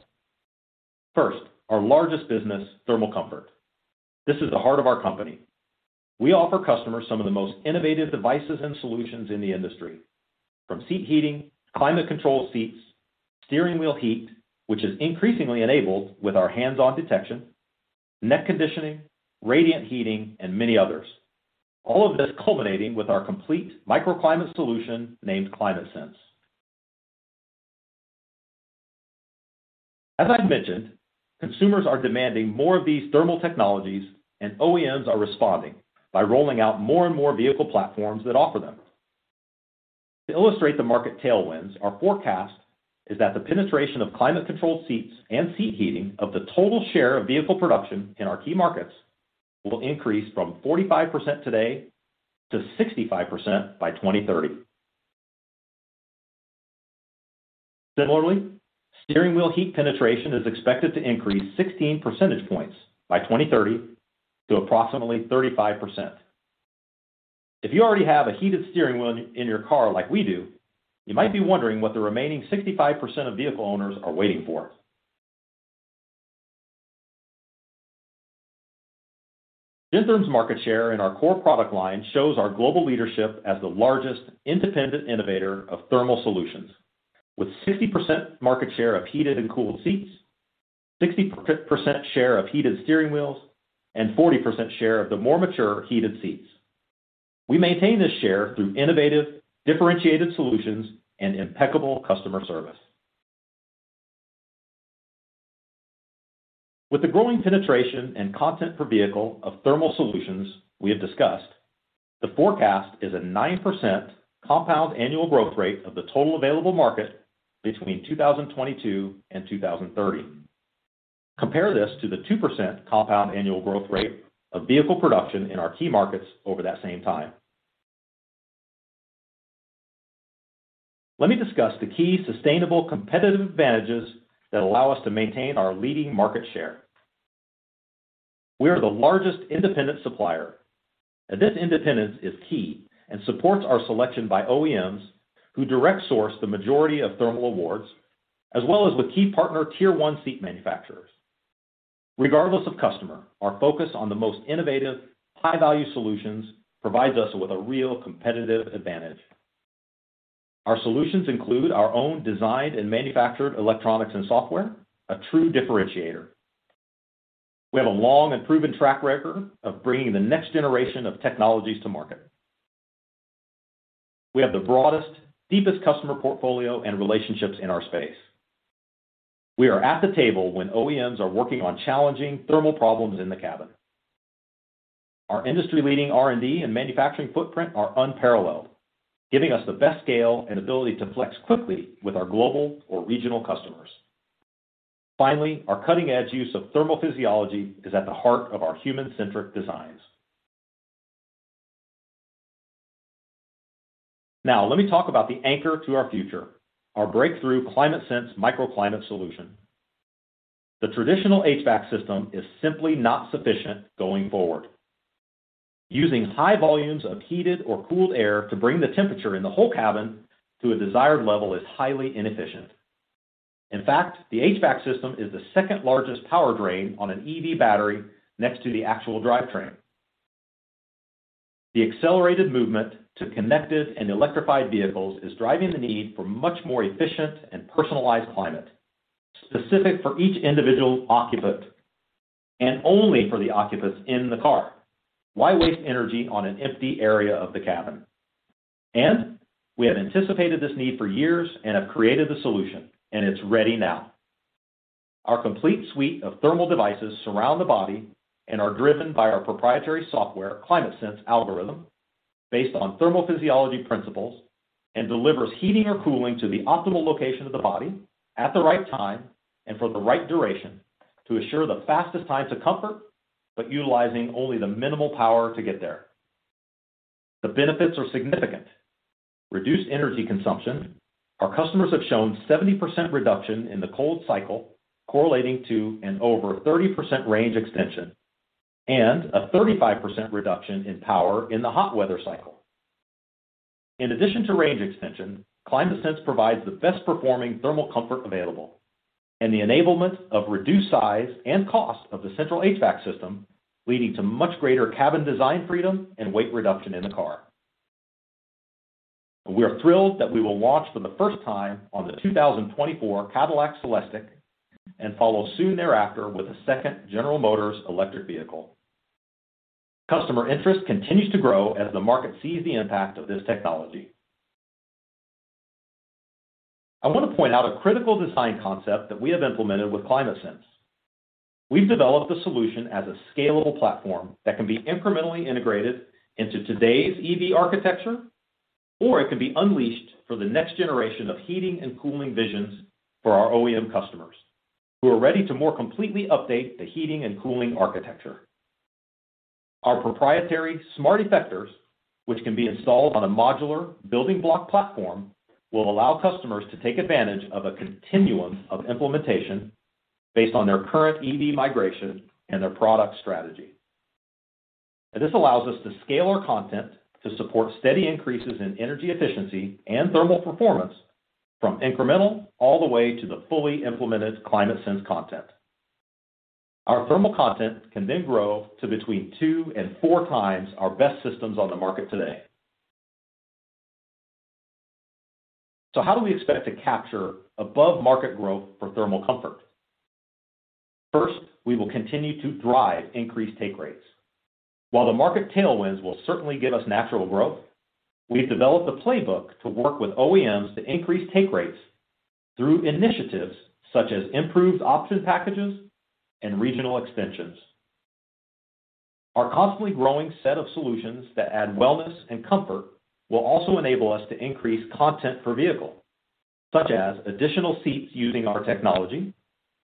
First, our largest business, thermal comfort. This is the heart of our company. We offer customers some of the most innovative devices and solutions in the industry, from seat heating, climate control seats, steering wheel heat, which is increasingly enabled with our hands-on detection, neck conditioning, radiant heating and many others. All of this culminating with our complete microclimate solution named ClimateSense. As I mentioned, consumers are demanding more of these thermal technologies and OEMs are responding by rolling out more and more vehicle platforms that offer them. To illustrate the market tailwinds, our forecast is that the penetration of climate controlled seats and seat heating of the total share of vehicle production in our key markets will increase from 45% today to 65% by 2030. Similarly, steering wheel heat penetration is expected to increase 16 percentage points by 2030 to approximately 35%. If you already have a heated steering wheel in your car like we do, you might be wondering what the remaining 65% of vehicle owners are waiting for. Gentherm's market share in our core product line shows our global leadership as the largest independent innovator of thermal solutions. With 60% market share of heated and cooled seats, 60% share of heated steering wheels, and 40% share of the more mature heated seats. We maintain this share through innovative, differentiated solutions and impeccable customer service. With the growing penetration and content per vehicle of thermal solutions we have discussed, the forecast is a 9% compound annual growth rate of the total available market between 2022 and 2030. Compare this to the 2% compound annual growth rate of vehicle production in our key markets over that same time. Let me discuss the key sustainable competitive advantages that allow us to maintain our leading market share. We are the largest independent supplier. This independence is key and supports our selection by OEMs who direct source the majority of thermal awards as well as with key partner tier one seat manufacturers. Regardless of customer, our focus on the most innovative, high-value solutions provides us with a real competitive advantage. Our solutions include our own designed and manufactured electronics and software, a true differentiator. We have a long and proven track record of bringing the next generation of technologies to market. We have the broadest, deepest customer portfolio and relationships in our space. We are at the table when OEMs are working on challenging thermal problems in the cabin. Our industry-leading R&D and manufacturing footprint are unparalleled, giving us the best scale and ability to flex quickly with our global or regional customers. Finally, our cutting-edge use of thermophysiology is at the heart of our human-centric designs. Now let me talk about the anchor to our future, our breakthrough ClimateSense microclimate solution. The traditional HVAC system is simply not sufficient going forward. Using high volumes of heated or cooled air to bring the temperature in the whole cabin to a desired level is highly inefficient. In fact, the HVAC system is the second-largest power drain on an EV battery next to the actual drivetrain. The accelerated movement to connected and electrified vehicles is driving the need for much more efficient and personalized climate specific for each individual occupant and only for the occupants in the car. Why waste energy on an empty area of the cabin? We have anticipated this need for years and have created the solution, and it's ready now. Our complete suite of thermal devices surround the body and are driven by our proprietary software, ClimateSense algorithm, based on thermophysiology principles and delivers heating or cooling to the optimal location of the body at the right time and for the right duration. To assure the fastest time to comfort, utilizing only the minimal power to get there. The benefits are significant. Reduced energy consumption. Our customers have shown 70% reduction in the cold cycle, correlating to an over 30% range extension and a 35% reduction in power in the hot weather cycle. In addition to range extension, ClimateSense provides the best performing thermal comfort available and the enablement of reduced size and cost of the central HVAC system, leading to much greater cabin design freedom and weight reduction in the car. We are thrilled that we will launch for the first time on the 2024 Cadillac CELESTIQ and follow soon thereafter with a second General Motors electric vehicle. Customer interest continues to grow as the market sees the impact of this technology. I want to point out a critical design concept that we have implemented with ClimateSense. We've developed the solution as a scalable platform that can be incrementally integrated into today's EV architecture, or it can be unleashed for the next generation of heating and cooling visions for our OEM customers who are ready to more completely update the heating and cooling architecture. Our proprietary smart effectors, which can be installed on a modular building block platform, will allow customers to take advantage of a continuum of implementation based on their current EV migration and their product strategy. This allows us to scale our content to support steady increases in energy efficiency and thermal performance from incremental all the way to the fully implemented ClimateSense content. Our thermal content can grow to between two and four times our best systems on the market today. How do we expect to capture above-market growth for thermal comfort? First, we will continue to drive increased take rates. While the market tailwinds will certainly give us natural growth, we've developed a playbook to work with OEMs to increase take rates through initiatives such as improved option packages and regional extensions. Our constantly growing set of solutions that add wellness and comfort will also enable us to increase content per vehicle, such as additional seats using our technology,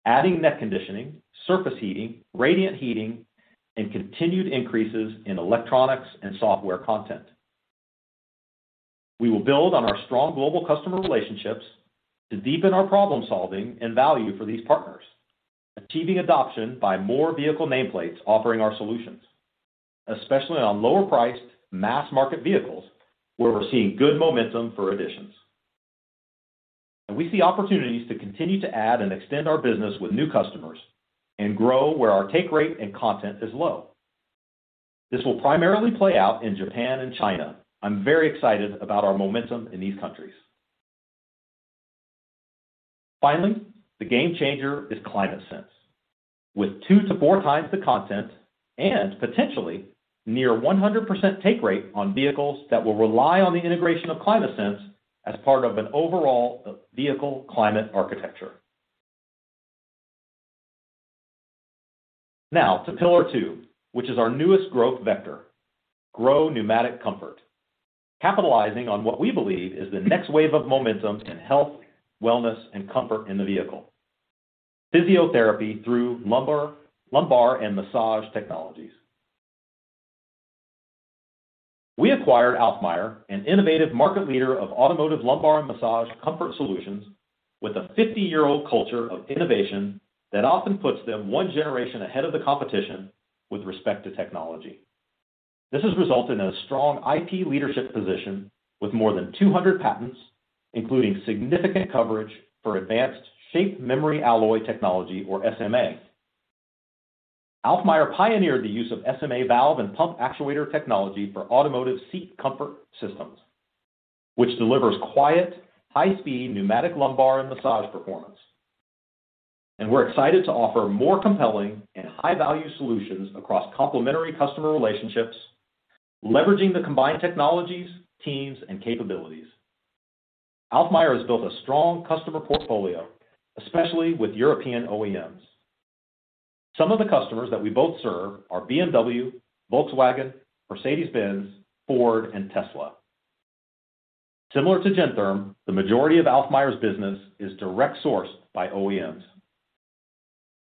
adding Neck Conditioning, surface heating, radiant heating, and continued increases in electronics and software content. We will build on our strong global customer relationships to deepen our problem-solving and value for these partners, achieving adoption by more vehicle nameplates offering our solutions, especially on lower-priced mass-market vehicles where we're seeing good momentum for additions. We see opportunities to continue to add and extend our business with new customers and grow where our take rate and content is low. This will primarily play out in Japan and China. I'm very excited about our momentum in these countries. The game changer is ClimateSense, with two to four times the content and potentially near 100% take rate on vehicles that will rely on the integration of ClimateSense as part of an overall vehicle climate architecture. To pillar two, which is our newest growth vector, grow pneumatic comfort, capitalizing on what we believe is the next wave of momentum in health, wellness, and comfort in the vehicle, physiotherapy through lumbar and massage technologies. We acquired Alfmeier, an innovative market leader of automotive lumbar and massage comfort solutions with a 50-year-old culture of innovation that often puts them one generation ahead of the competition with respect to technology. This has resulted in a strong IP leadership position with more than 200 patents, including significant coverage for advanced shape memory alloy technology, or SMA. Alfmeier pioneered the use of SMA valve and pump actuator technology for automotive seat comfort systems, which delivers quiet, high-speed pneumatic lumbar and massage performance. We're excited to offer more compelling and high-value solutions across complementary customer relationships, leveraging the combined technologies, teams, and capabilities. Alfmeier has built a strong customer portfolio, especially with European OEMs. Some of the customers that we both serve are BMW, Volkswagen, Mercedes-Benz, Ford, and Tesla. Similar to Gentherm, the majority of Alfmeier's business is direct-sourced by OEMs.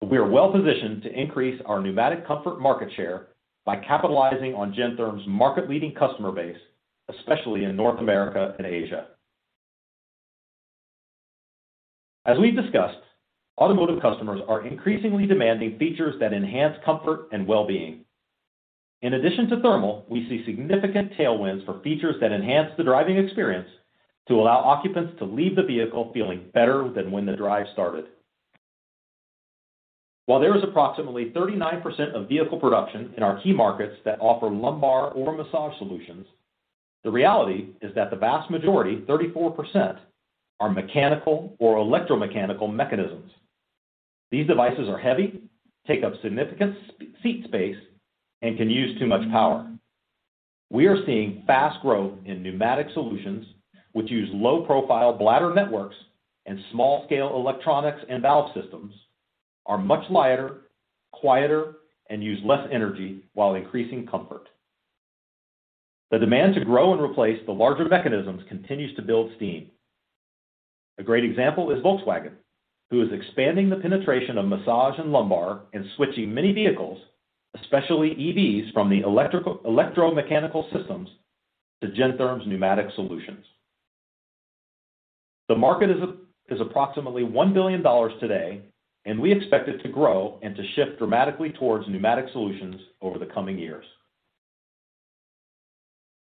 We are well-positioned to increase our pneumatic comfort market share by capitalizing on Gentherm's market-leading customer base, especially in North America and Asia. As we've discussed, automotive customers are increasingly demanding features that enhance comfort and well-being. In addition to thermal, we see significant tailwinds for features that enhance the driving experience to allow occupants to leave the vehicle feeling better than when the drive started. While there is approximately 39% of vehicle production in our key markets that offer lumbar or massage solutions, the reality is that the vast majority, 34%, are mechanical or electromechanical mechanisms. These devices are heavy, take up significant seat space, and can use too much power. We are seeing fast growth in pneumatic solutions, which use low-profile bladder networks and small-scale electronics and valve systems, are much lighter, quieter, and use less energy while increasing comfort. The demand to grow and replace the larger mechanisms continues to build steam. A great example is Volkswagen, who is expanding the penetration of massage and lumbar and switching many vehicles, especially EVs, from the electromechanical systems to Gentherm's pneumatic solutions. The market is approximately $1 billion today, and we expect it to grow and to shift dramatically towards pneumatic solutions over the coming years.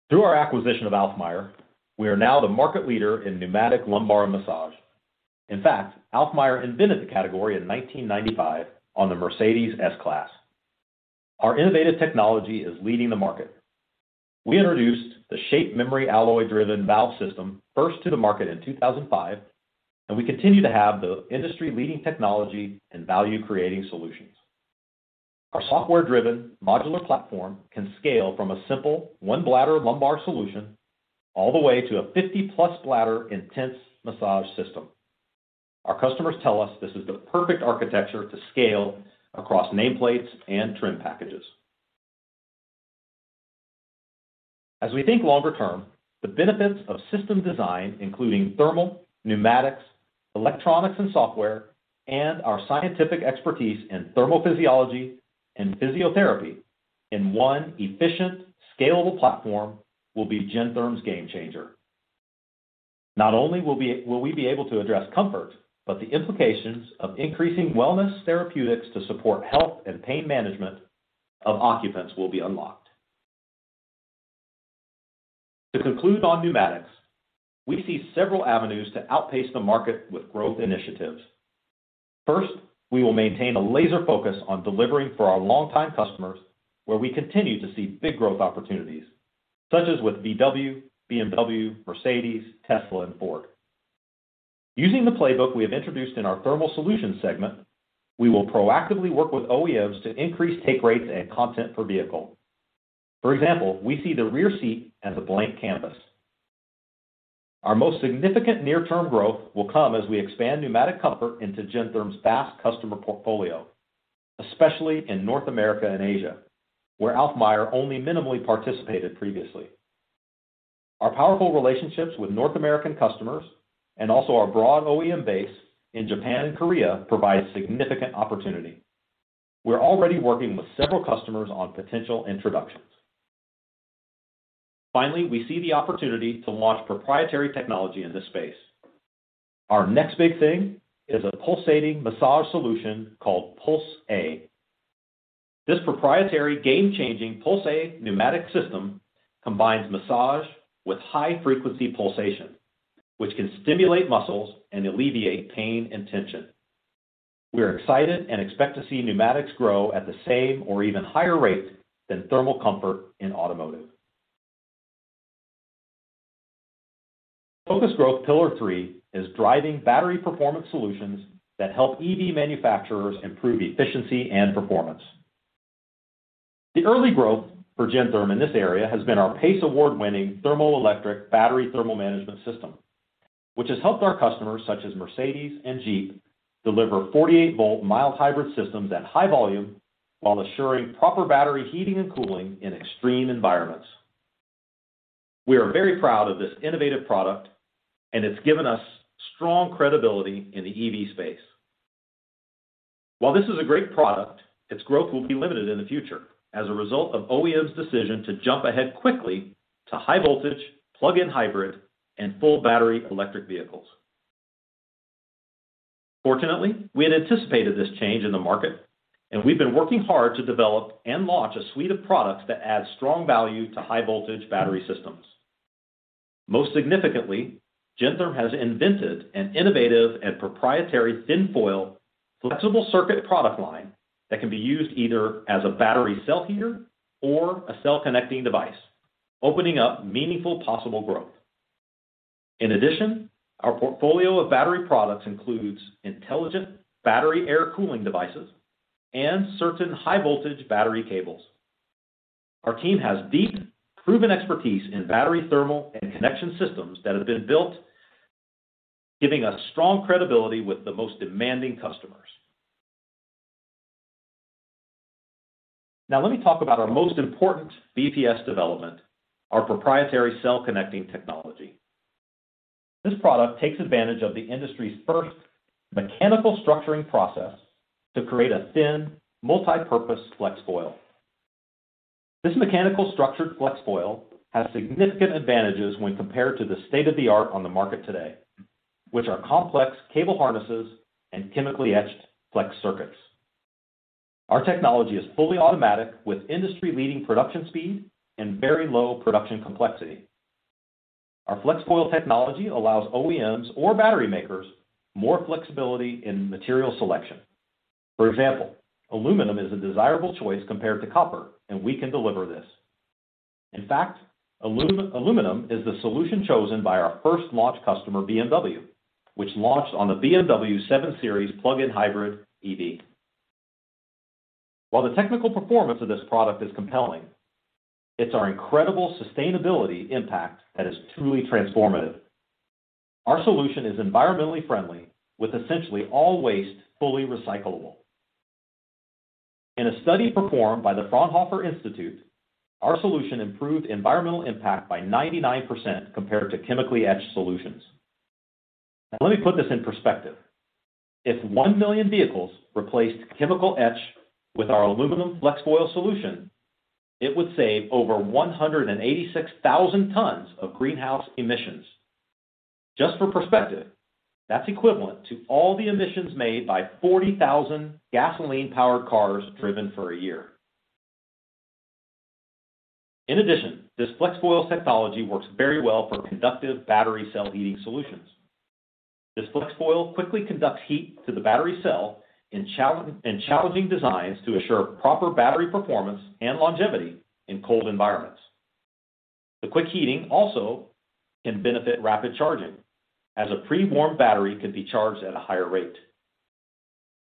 Through our acquisition of Alfmeier, we are now the market leader in pneumatic lumbar massage. In fact, Alfmeier invented the category in 1995 on the Mercedes S-Class. Our innovative technology is leading the market. We introduced the shape memory alloy-driven valve system first to the market in 2005. We continue to have the industry-leading technology and value-creating solutions. Our software-driven modular platform can scale from a simple one-bladder lumbar solution all the way to a 50-plus bladder intense massage system. Our customers tell us this is the perfect architecture to scale across nameplates and trim packages. As we think longer term, the benefits of system design, including thermal, pneumatics, electronics and software, and our scientific expertise in thermophysiology and physiotherapy in one efficient, scalable platform will be Gentherm's game changer. Not only will we be able to address comfort, but the implications of increasing wellness therapeutics to support health and pain management of occupants will be unlocked. To conclude on pneumatics, we see several avenues to outpace the market with growth initiatives. We will maintain a laser focus on delivering for our longtime customers, where we continue to see big growth opportunities, such as with VW, BMW, Mercedes, Tesla, and Ford. Using the playbook we have introduced in our thermal solutions segment, we will proactively work with OEMs to increase take rates and content per vehicle. We see the rear seat as a blank canvas. Our most significant near-term growth will come as we expand pneumatic comfort into Gentherm's vast customer portfolio, especially in North America and Asia, where Alfmeier only minimally participated previously. Our powerful relationships with North American customers and also our broad OEM base in Japan and Korea provide significant opportunity. We're already working with several customers on potential introductions. Finally, we see the opportunity to launch proprietary technology in this space. Our next big thing is a pulsating massage solution called Puls.A. This proprietary game-changing Puls.A pneumatic system combines massage with high-frequency pulsation, which can stimulate muscles and alleviate pain and tension. We are excited and expect to see pneumatics grow at the same or even higher rate than thermal comfort in automotive. Focused growth pillar three is driving battery performance solutions that help EV manufacturers improve efficiency and performance. The early growth for Gentherm in this area has been our PACE Award-winning thermoelectric battery thermal management system, which has helped our customers, such as Mercedes and Jeep, deliver 48-volt mild hybrid systems at high volume while assuring proper battery heating and cooling in extreme environments. We are very proud of this innovative product, and it's given us strong credibility in the EV space. This is a great product, its growth will be limited in the future as a result of OEMs' decision to jump ahead quickly to high-voltage plug-in hybrid and full battery electric vehicles. We had anticipated this change in the market, and we've been working hard to develop and launch a suite of products that add strong value to high-voltage battery systems. Most significantly, Gentherm has invented an innovative and proprietary thin foil flexible circuit product line that can be used either as a battery cell heater or a cell connecting device, opening up meaningful possible growth. In addition, our portfolio of battery products includes intelligent battery air cooling devices and certain high-voltage battery cables. Our team has deep, proven expertise in battery thermal and connection systems that have been built, giving us strong credibility with the most demanding customers. Now let me talk about our most important BPS development, our proprietary cell connecting technology. This product takes advantage of the industry's first mechanical structuring process to create a thin, multipurpose flex foil. This mechanical structured flex foil has significant advantages when compared to the state-of-the-art on the market today, which are complex cable harnesses and chemically etched flex circuits. Our technology is fully automatic with industry-leading production speed and very low production complexity. Our flex foil technology allows OEMs or battery makers more flexibility in material selection. For example, aluminum is a desirable choice compared to copper, and we can deliver this. In fact, aluminum is the solution chosen by our first launch customer, BMW, which launched on the BMW 7 Series plug-in hybrid EV. While the technical performance of this product is compelling, it's our incredible sustainability impact that is truly transformative. Our solution is environmentally friendly with essentially all waste fully recyclable. In a study performed by the Fraunhofer Institute, our solution improved environmental impact by 99% compared to chemically etched solutions. Let me put this in perspective. If one million vehicles replaced chemical etch with our aluminum flex foil solution, it would save over 186,000 tons of greenhouse emissions. Just for perspective, that's equivalent to all the emissions made by 40,000 gasoline-powered cars driven for a year. This flex foil technology works very well for conductive battery cell heating solutions. This flex foil quickly conducts heat to the battery cell in challenging designs to assure proper battery performance and longevity in cold environments. The quick heating also can benefit rapid charging, as a pre-warmed battery can be charged at a higher rate.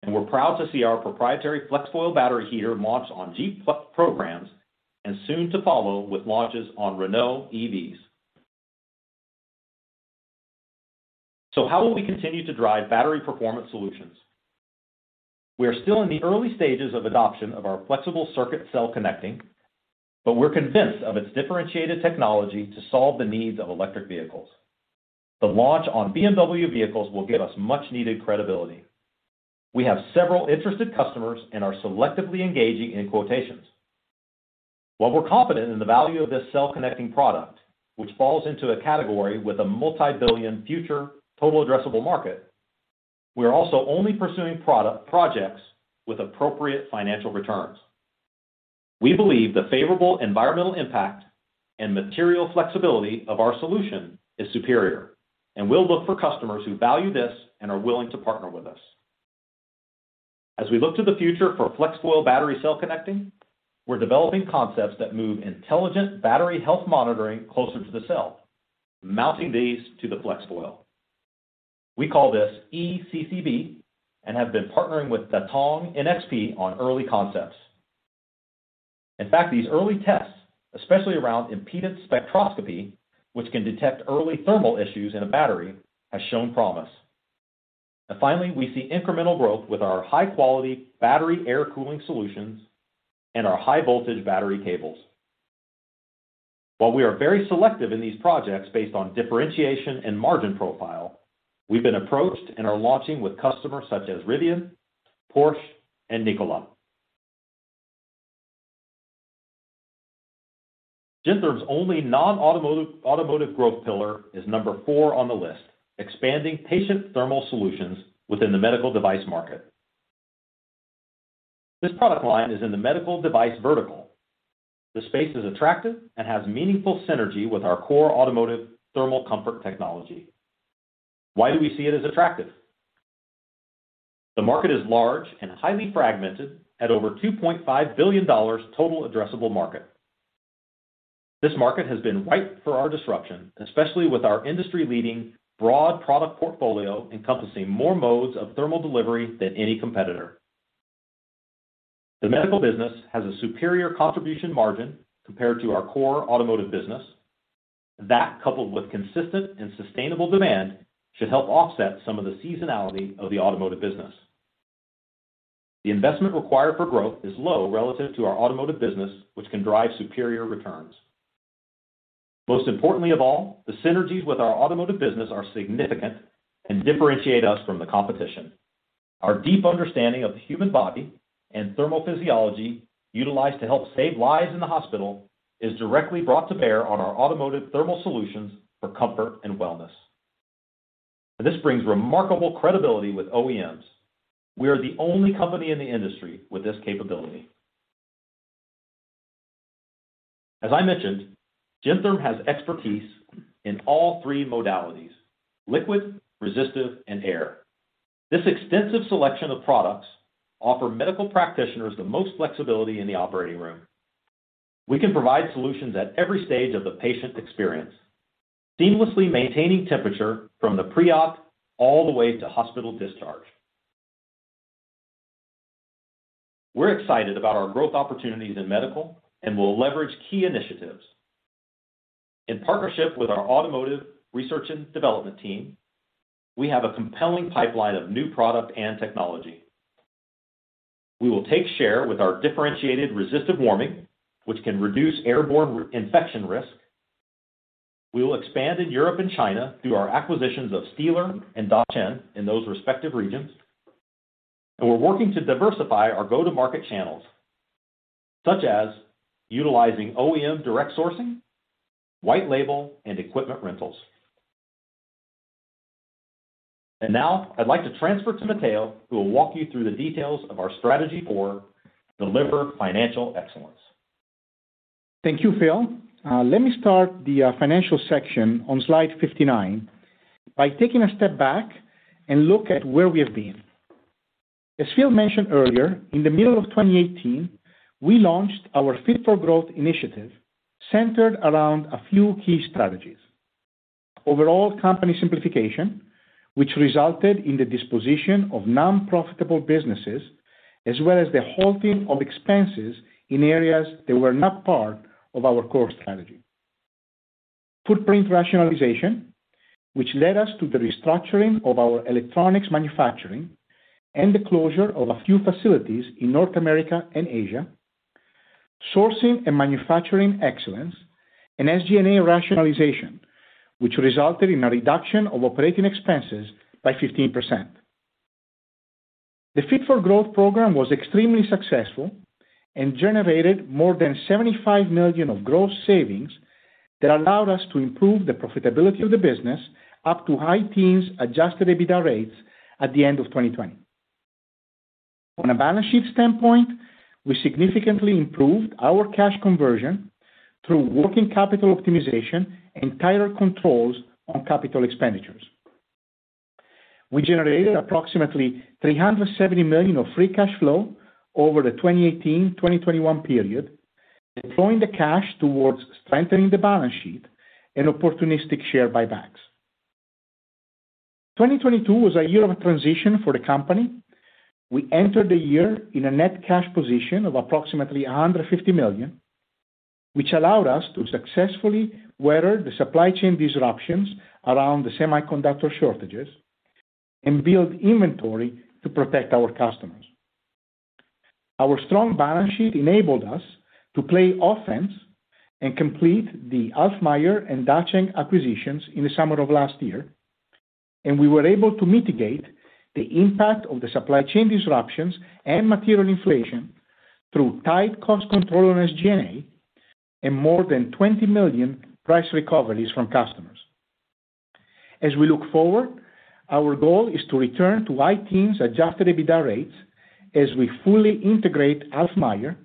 We're proud to see our proprietary flex foil battery heater launch on Jeep programs and soon to follow with launches on Renault EVs. How will we continue to drive battery performance solutions? We are still in the early stages of adoption of our flexible circuit cell connecting, but we're convinced of its differentiated technology to solve the needs of electric vehicles. The launch on BMW vehicles will give us much needed credibility. We have several interested customers and are selectively engaging in quotations. While we're confident in the value of this cell connecting product, which falls into a category with a multi-billion future total addressable market, we are also only pursuing projects with appropriate financial returns. We believe the favorable environmental impact and material flexibility of our solution is superior, and we'll look for customers who value this and are willing to partner with us. As we look to the future for flex foil battery cell connecting, we're developing concepts that move intelligent battery health monitoring closer to the cell, mounting these to the flex foil. We call this eCCB and have been partnering with Datang NXP on early concepts. In fact, these early tests, especially around impedance spectroscopy, which can detect early thermal issues in a battery, has shown promise. Finally, we see incremental growth with our high-quality battery air cooling solutions and our high-voltage battery cables. While we are very selective in these projects based on differentiation and margin profile, we've been approached and are launching with customers such as Rivian, Porsche, and Nikola. Gentherm's only non-automotive, automotive growth pillar is number four on the list, expanding patient thermal solutions within the medical device market. This product line is in the medical device vertical. The space is attractive and has meaningful synergy with our core automotive thermal comfort technology. Why do we see it as attractive? The market is large and highly fragmented at over $2.5 billion total addressable market. This market has been ripe for our disruption, especially with our industry-leading broad product portfolio encompassing more modes of thermal delivery than any competitor. The medical business has a superior contribution margin compared to our core automotive business. That, coupled with consistent and sustainable demand, should help offset some of the seasonality of the automotive business. The investment required for growth is low relative to our automotive business, which can drive superior returns. Most importantly of all, the synergies with our automotive business are significant and differentiate us from the competition. Our deep understanding of the human body and thermal physiology utilized to help save lives in the hospital is directly brought to bear on our automotive thermal solutions for comfort and wellness. This brings remarkable credibility with OEMs. We are the only company in the industry with this capability. As I mentioned, Gentherm has expertise in all three modalities: liquid, resistive, and air. This extensive selection of products offer medical practitioners the most flexibility in the operating room. We can provide solutions at every stage of the patient experience, seamlessly maintaining temperature from the pre-op all the way to hospital discharge. We're excited about our growth opportunities in medical and will leverage key initiatives. In partnership with our automotive research and development team, we have a compelling pipeline of new product and technology. We will take share with our differentiated resistive warming, which can reduce airborne infection risk. We will expand in Europe and China through our acquisitions of Stihler and Dacheng in those respective regions. We're working to diversify our go-to-market channels, such as utilizing OEM direct sourcing, white label, and equipment rentals. Now I'd like to transfer to Matteo, who will walk you through the details of our strategy for deliver financial excellence. Thank you, Phil. Let me start the financial section on slide 59 by taking a step back and look at where we have been. As Phil mentioned earlier, in the middle of 2018, we launched our Fit-for-Growth initiative centered around a few key strategies. Overall company simplification, which resulted in the disposition of non-profitable businesses as well as the halting of expenses in areas that were not part of our core strategy. Footprint rationalization, which led us to the restructuring of our electronics manufacturing and the closure of a few facilities in North America and Asia, sourcing and manufacturing excellence, and SG&A rationalization, which resulted in a reduction of operating expenses by 15%. The Fit-for-Growth program was extremely successful and generated more than $75 million of gross savings that allowed us to improve the profitability of the business up to high teens adjusted EBITDA rates at the end of 2020. On a balance sheet standpoint, we significantly improved our cash conversion through working capital optimization and tighter controls on capital expenditures. We generated approximately $370 million of free cash flow over the 2018-2021 period, deploying the cash towards strengthening the balance sheet and opportunistic share buybacks. 2022 was a year of transition for the company. We entered the year in a net cash position of approximately $150 million, which allowed us to successfully weather the supply chain disruptions around the semiconductor shortages and build inventory to protect our customers. Our strong balance sheet enabled us to play offense and complete the Alfmeier and Dacheng acquisitions in the summer of last year, and we were able to mitigate the impact of the supply chain disruptions and material inflation through tight cost control on SG&A and more than $20 million price recoveries from customers. As we look forward, our goal is to return to high teens adjusted EBITDA rates as we fully integrate Alfmeier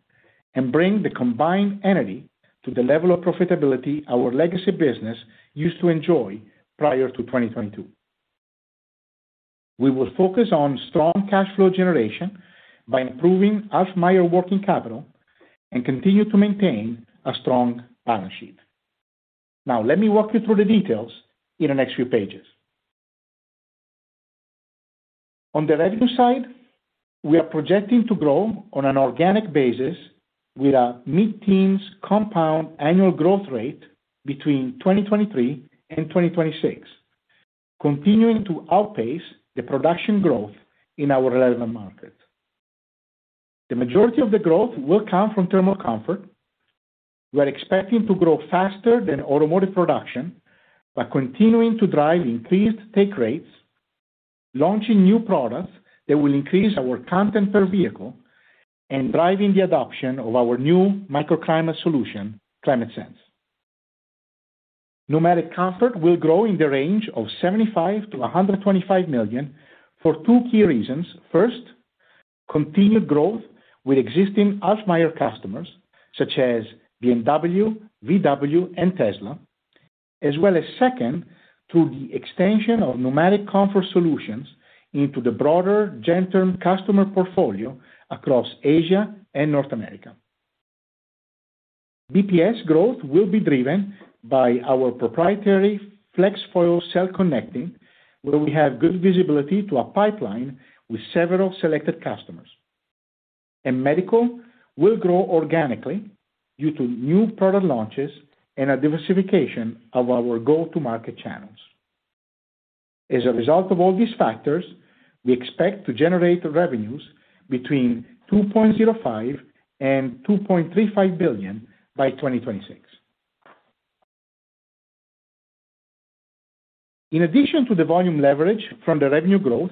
and bring the combined entity to the level of profitability our legacy business used to enjoy prior to 2022. We will focus on strong cash flow generation by improving Alfmeier working capital and continue to maintain a strong balance sheet. Now, let me walk you through the details in the next few pages. On the revenue side, we are projecting to grow on an organic basis with a mid-teens compound annual growth rate between 2023 and 2026, continuing to outpace the production growth in our relevant markets. The majority of the growth will come from Thermal Comfort. We are expecting to grow faster than automotive production by continuing to drive increased take rates, launching new products that will increase our content per vehicle, and driving the adoption of our new microclimate solution, ClimateSense. Pneumatic Comfort will grow in the range of $75 million-$125 million for two key reasons. First, continued growth with existing Alfmeier customers, such as BMW, VW, and Tesla, as well as second, through the extension of Pneumatic Comfort solutions into the broader Gentherm customer portfolio across Asia and North America. BPS growth will be driven by our proprietary flex foil cell connecting, where we have good visibility to a pipeline with several selected customers. Medical will grow organically due to new product launches and a diversification of our go-to-market channels. As a result of all these factors, we expect to generate revenues between $2.05 billion and $2.35 billion by 2026. In addition to the volume leverage from the revenue growth,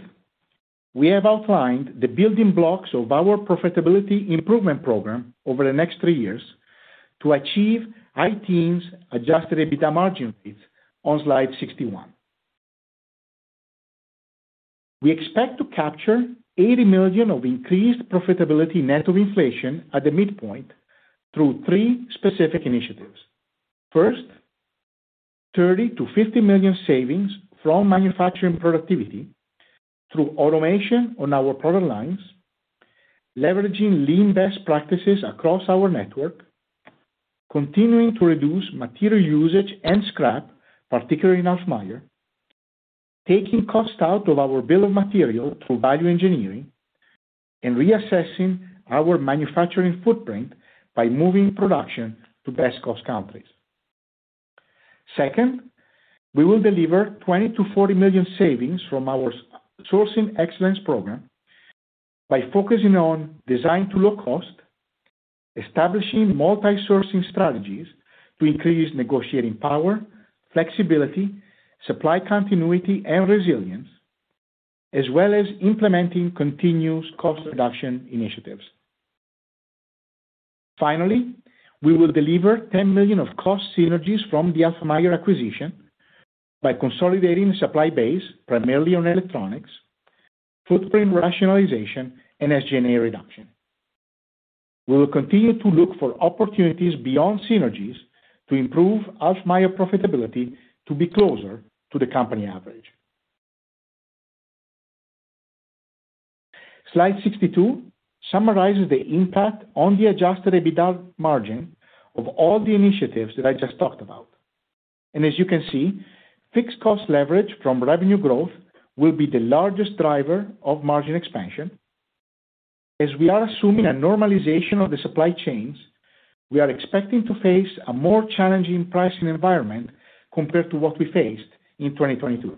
we have outlined the building blocks of our profitability improvement program over the next three years to achieve high teens adjusted EBITDA margin rates on slide 61. We expect to capture $80 million of increased profitability net of inflation at the midpoint through three specific initiatives. $30 million-$50 million savings from manufacturing productivity through automation on our product lines, leveraging lean best practices across our network, continuing to reduce material usage and scrap, particularly in Alfmeier, taking cost out of our bill of material through value engineering, and reassessing our manufacturing footprint by moving production to best-cost countries. We will deliver $20 million-$40 million savings from our sourcing excellence program by focusing on design to low cost, establishing multi-sourcing strategies to increase negotiating power, flexibility, supply continuity, and resilience, as well as implementing continuous cost reduction initiatives. We will deliver $10 million of cost synergies from the Alfmeier acquisition by consolidating the supply base primarily on electronics, footprint rationalization, and SG&A reduction. We will continue to look for opportunities beyond synergies to improve Alfmeier profitability to be closer to the company average. Slide 62 summarizes the impact on the adjusted EBITDA margin of all the initiatives that I just talked about. As you can see, fixed cost leverage from revenue growth will be the largest driver of margin expansion. As we are assuming a normalization of the supply chains, we are expecting to face a more challenging pricing environment compared to what we faced in 2022.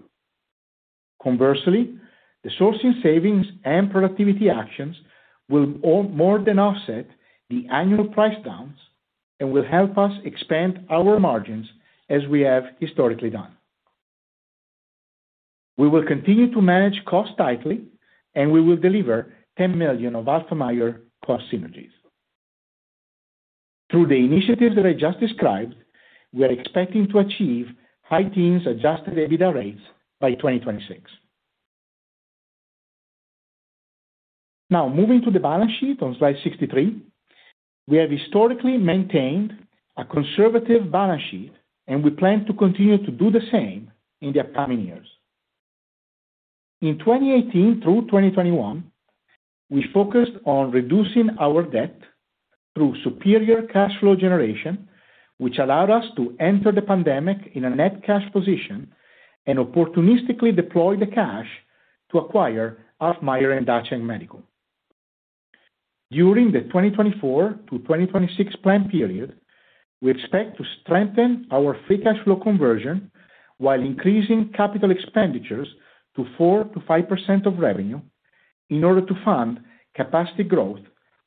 Conversely, the sourcing savings and productivity actions will all more than offset the annual price downs and will help us expand our margins as we have historically done. We will continue to manage costs tightly, and we will deliver $10 million of Alfmeier cost synergies. Through the initiatives that I just described, we are expecting to achieve high teens adjusted EBITDA rates by 2026. Moving to the balance sheet on slide 63. We have historically maintained a conservative balance sheet, and we plan to continue to do the same in the upcoming years. In 2018 through 2021, we focused on reducing our debt through superior cash flow generation, which allowed us to enter the pandemic in a net cash position and opportunistically deploy the cash to acquire Alfmeier and Dacheng Medical. During the 2024 to 2026 plan period, we expect to strengthen our free cash flow conversion while increasing capital expenditures to 4% to 5% of revenue in order to fund capacity growth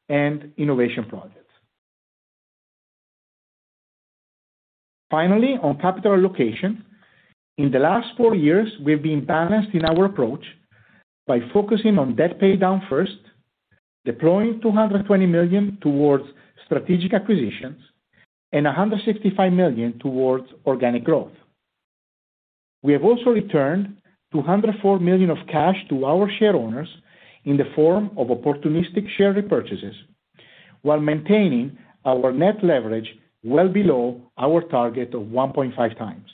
and innovation projects. Finally, on capital allocation. In the last four years, we've been balanced in our approach by focusing on debt paydown first, deploying $220 million towards strategic acquisitions and $165 million towards organic growth. We have also returned $204 million of cash to our shareowners in the form of opportunistic share repurchases while maintaining our net leverage well below our target of 1.5 times.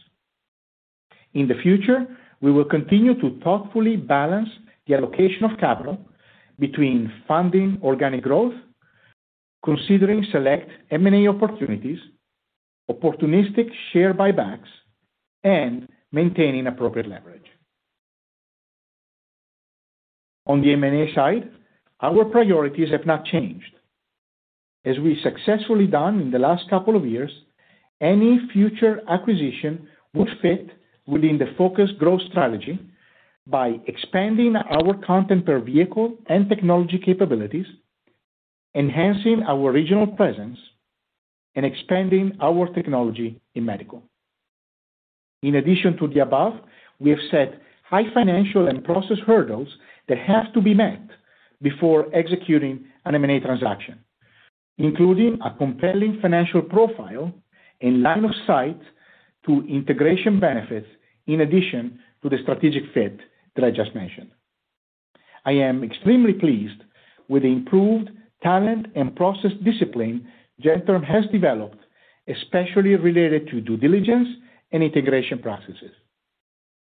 In the future, we will continue to thoughtfully balance the allocation of capital between funding organic growth, considering select M&A opportunities, opportunistic share buybacks, and maintaining appropriate leverage. On the M&A side, our priorities have not changed. As we successfully done in the last couple of years, any future acquisition would fit within the focused growth strategy by expanding our content per vehicle and technology capabilities, enhancing our regional presence, and expanding our technology in medical. In addition to the above, we have set high financial and process hurdles that have to be met before executing an M&A transaction, including a compelling financial profile and line of sight to integration benefits in addition to the strategic fit that I just mentioned. I am extremely pleased with the improved talent and process discipline Gentherm has developed, especially related to due diligence and integration processes.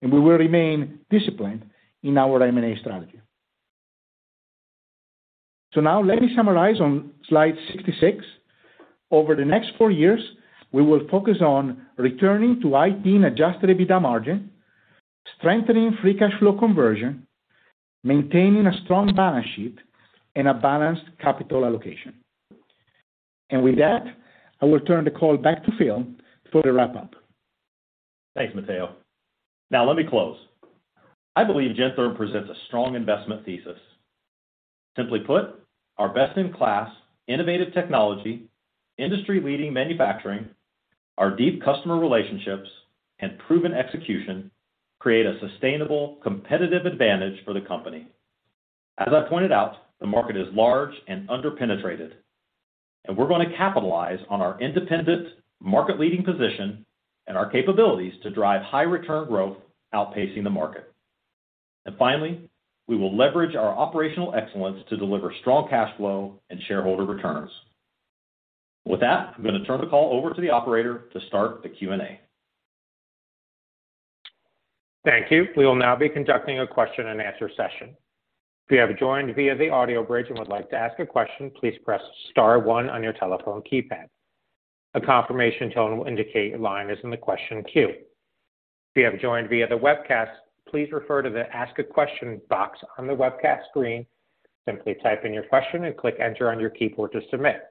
We will remain disciplined in our M&A strategy. Now let me summarize on slide 66. Over the next four years, we will focus on returning to high-teen adjusted EBITDA margin, strengthening free cash flow conversion, maintaining a strong balance sheet and a balanced capital allocation. With that, I will turn the call back to Phil for the wrap-up. Thanks, Matteo. Let me close. I believe Gentherm presents a strong investment thesis. Simply put, our best-in-class innovative technology, industry-leading manufacturing, our deep customer relationships and proven execution create a sustainable competitive advantage for the company. As I pointed out, the market is large and underpenetrated, and we're gonna capitalize on our independent market-leading position and our capabilities to drive high return growth outpacing the market. Finally, we will leverage our operational excellence to deliver strong cash flow and shareholder returns. With that, I'm gonna turn the call over to the operator to start the Q&A. Thank you. We will now be conducting a question-and-answer session. If you have joined via the audio bridge and would like to ask a question, please press star one on your telephone keypad. A confirmation tone will indicate your line is in the question queue. If you have joined via the webcast, please refer to the Ask a Question box on the webcast screen. Simply type in your question and click Enter on your keyboard to submit.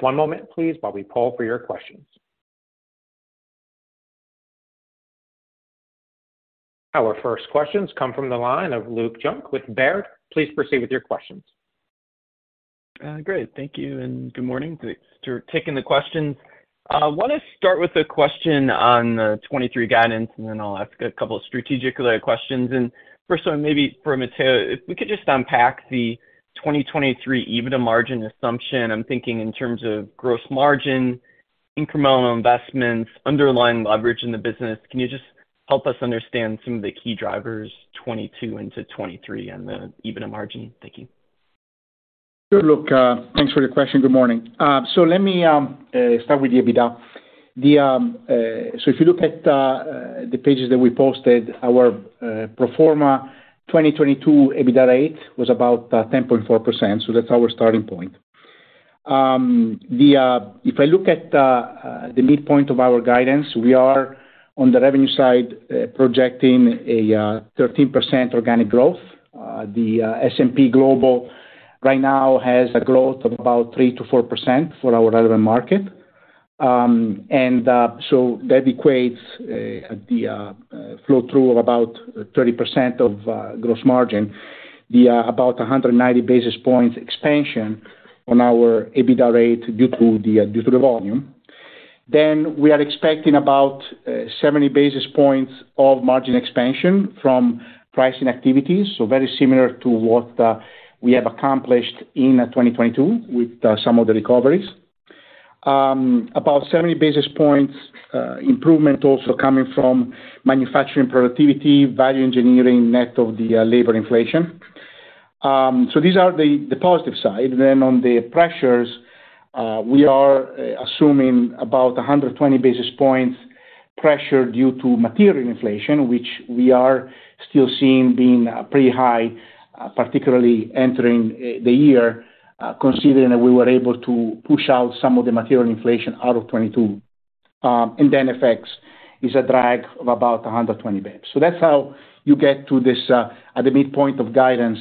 One moment, please, while we poll for your questions. Our first questions come from the line of Luke Junk with Baird. Please proceed with your questions. Great. Thank you. Good morning. Thanks for taking the questions. Want to start with a question on the 2023 guidance, and then I'll ask a couple of strategic-related questions. First one maybe for Matteo, if we could just unpack the 2023 EBITDA margin assumption. I'm thinking in terms of gross margin, incremental investments, underlying leverage in the business. Can you just help us understand some of the key drivers 2022 into 2023 on the EBITDA margin? Thank you. Luke. Thanks for your question. Good morning. Let me start with the EBITDA. If you look at the pages that we posted, our pro forma 2022 EBITDA rate was about 10.4%. If I look at the midpoint of our guidance, we are on the revenue side, projecting a 13% organic growth. S&P Global right now has a growth of about 3%-4% for our relevant market. That equates the flow through of about 30% of gross margin, the about 190 basis points expansion on our EBITDA rate due to the volume. We are expecting about 70 basis points of margin expansion from pricing activities. Very similar to what we have accomplished in 2022 with some of the recoveries. About 70 basis points improvement also coming from manufacturing productivity, value engineering, net of the labor inflation. These are the positive side. On the pressures, we are assuming about 120 basis points pressure due to material inflation, which we are still seeing being pretty high, particularly entering the year, considering that we were able to push out some of the material inflation out of 2022. FX is a drag of about 120 basis points. That's how you get to this, at the midpoint of guidance,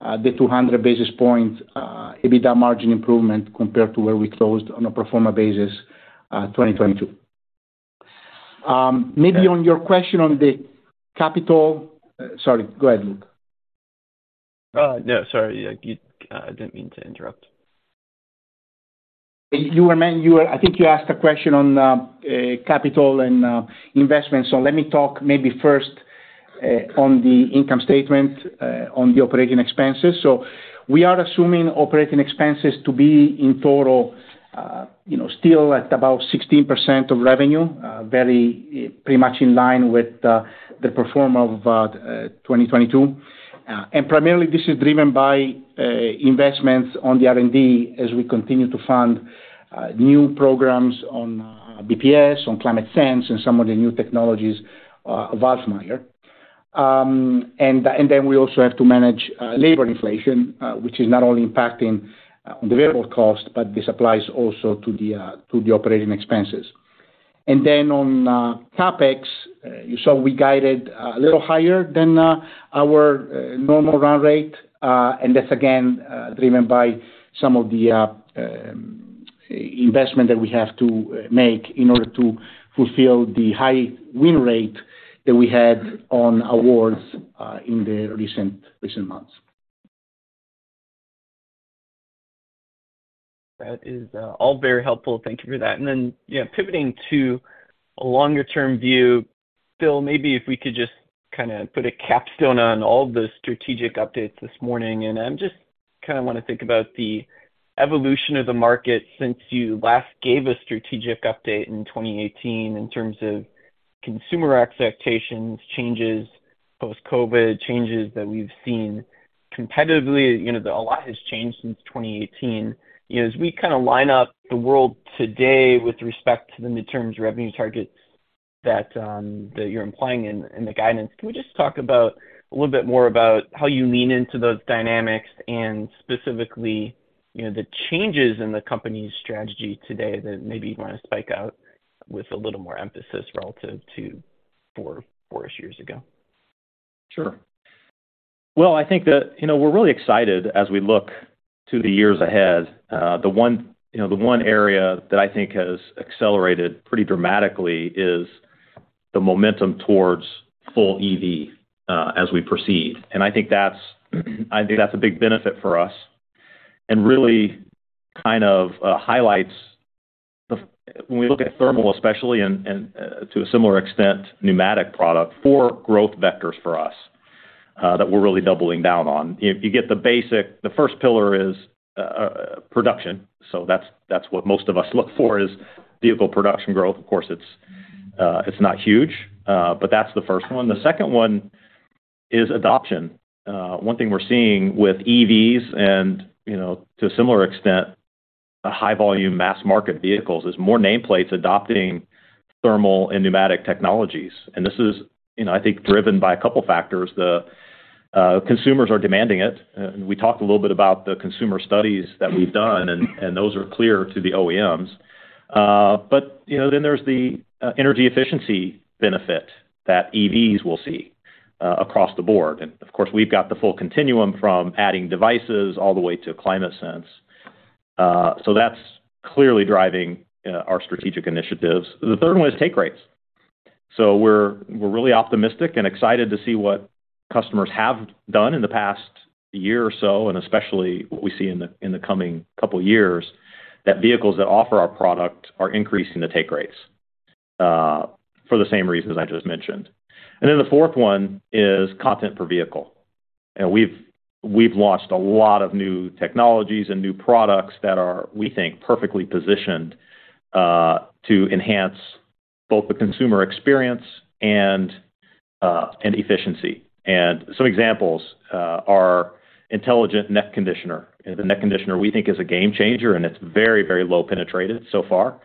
the 200 basis points EBITDA margin improvement compared to where we closed on a pro forma basis, 2022. Maybe on your question on the capital. Sorry, go ahead, Luke. No, sorry, I didn't mean to interrupt. I think you asked a question on capital and investment. Let me talk maybe first on the income statement on the operating expenses. We are assuming operating expenses to be in total, you know, still at about 16% of revenue, very pretty much in line with the pro forma of 2022. And primarily this is driven by investments on the R&D as we continue to fund new programs on BPS, on ClimateSense and some of the new technologies of Alfmeier. Then we also have to manage labor inflation, which is not only impacting the variable cost, but this applies also to the operating expenses. CapEx, you saw we guided a little higher than our normal run rate. That's again driven by some of the investment that we have to make in order to fulfill the high win rate that we had on awards in the recent months. That is all very helpful. Thank you for that. Then, you know, pivoting to a longer-term view, Phil, maybe if we could just kinda put a capstone on all the strategic updates this morning, and I'm just kinda wanna think about the evolution of the market since you last gave a strategic update in 2018 in terms of consumer expectations, changes post-COVID, changes that we've seen competitively. You know, a lot has changed since 2018. You know, as we kinda line up the world today with respect to the mid-term's revenue targets that you're implying in the guidance, can we just talk a little bit more about how you lean into those dynamics and specifically, you know, the changes in the company's strategy today that maybe you wanna spike out with a little more emphasis relative to four-ish years ago? Sure. Well, I think that, you know, we're really excited as we look to the years ahead. The one, you know, the one area that I think has accelerated pretty dramatically is the momentum towards full EV as we proceed. I think that's, I think that's a big benefit for us and really kind of highlights the. When we look at thermal especially and to a similar extent, pneumatic product, four growth vectors for us that we're really doubling down on. The first pillar is production. That's, that's what most of us look for is vehicle production growth. Of course, it's not huge, but that's the first one. The second one is adoption. One thing we're seeing with EVs and, you know, to a similar extent, the high volume mass market vehicles, is more nameplates adopting thermal and pneumatic technologies. This is, you know, I think driven by a couple factors. The consumers are demanding it. We talked a little bit about the consumer studies that we've done and those are clear to the OEMs. But you know, then there's the energy efficiency benefit that EVs will see across the board. Of course, we've got the full continuum from adding devices all the way to ClimateSense. So that's clearly driving our strategic initiatives. The third one is take rates. We're really optimistic and excited to see what customers have done in the past a year or so, and especially what we see in the coming couple of years, that vehicles that offer our product are increasing the take rates, for the same reasons I just mentioned. The fourth one is content per vehicle. We've launched a lot of new technologies and new products that are, we think, perfectly positioned to enhance both the consumer experience and efficiency. Some examples are Intelligent Neck Conditioner. The Neck Conditioner, we think, is a game changer, and it's very, very low penetrated so far,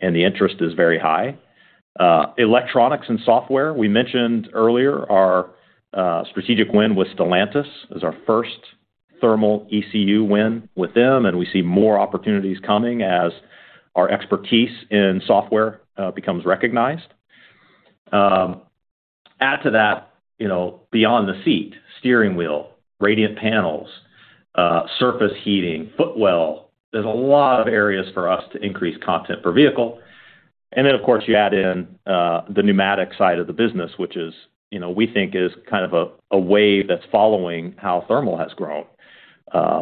and the interest is very high. Electronics and software. We mentioned earlier our strategic win with Stellantis as our first thermal ECU win with them, and we see more opportunities coming as our expertise in software, becomes recognized. Add to that, you know, beyond the seat: steering wheel, radiant panels, surface heating, foot well. There's a lot of areas for us to increase content per vehicle. Of course, you add in, the pneumatic side of the business, which is, you know, we think is kind of a wave that's following how thermal has grown.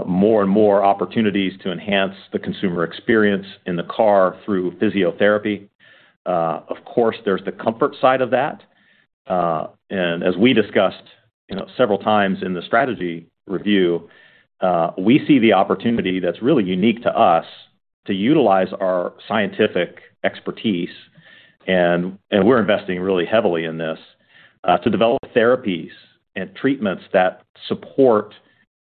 More and more opportunities to enhance the consumer experience in the car through physiotherapy. Of course, there's the comfort side of that. As we discussed, you know, several times in the strategy review, we see the opportunity that's really unique to us to utilize our scientific expertise, and we're investing really heavily in this to develop therapies and treatments that support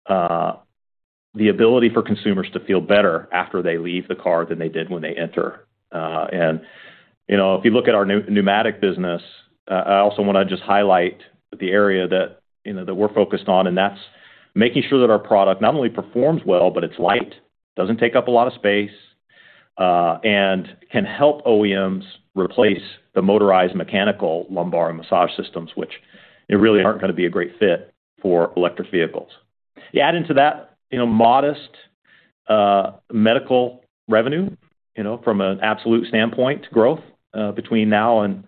the ability for consumers to feel better after they leave the car than they did when they enter. You know, if you look at our new-pneumatic business, I also wanna just highlight the area that, you know, that we're focused on, and that's making sure that our product not only performs well, but it's light, doesn't take up a lot of space, and can help OEMs replace the motorized mechanical lumbar and massage systems, which really aren't gonna be a great fit for electric vehicles. You add into that, you know, modest medical revenue, you know, from an absolute standpoint growth, between now and,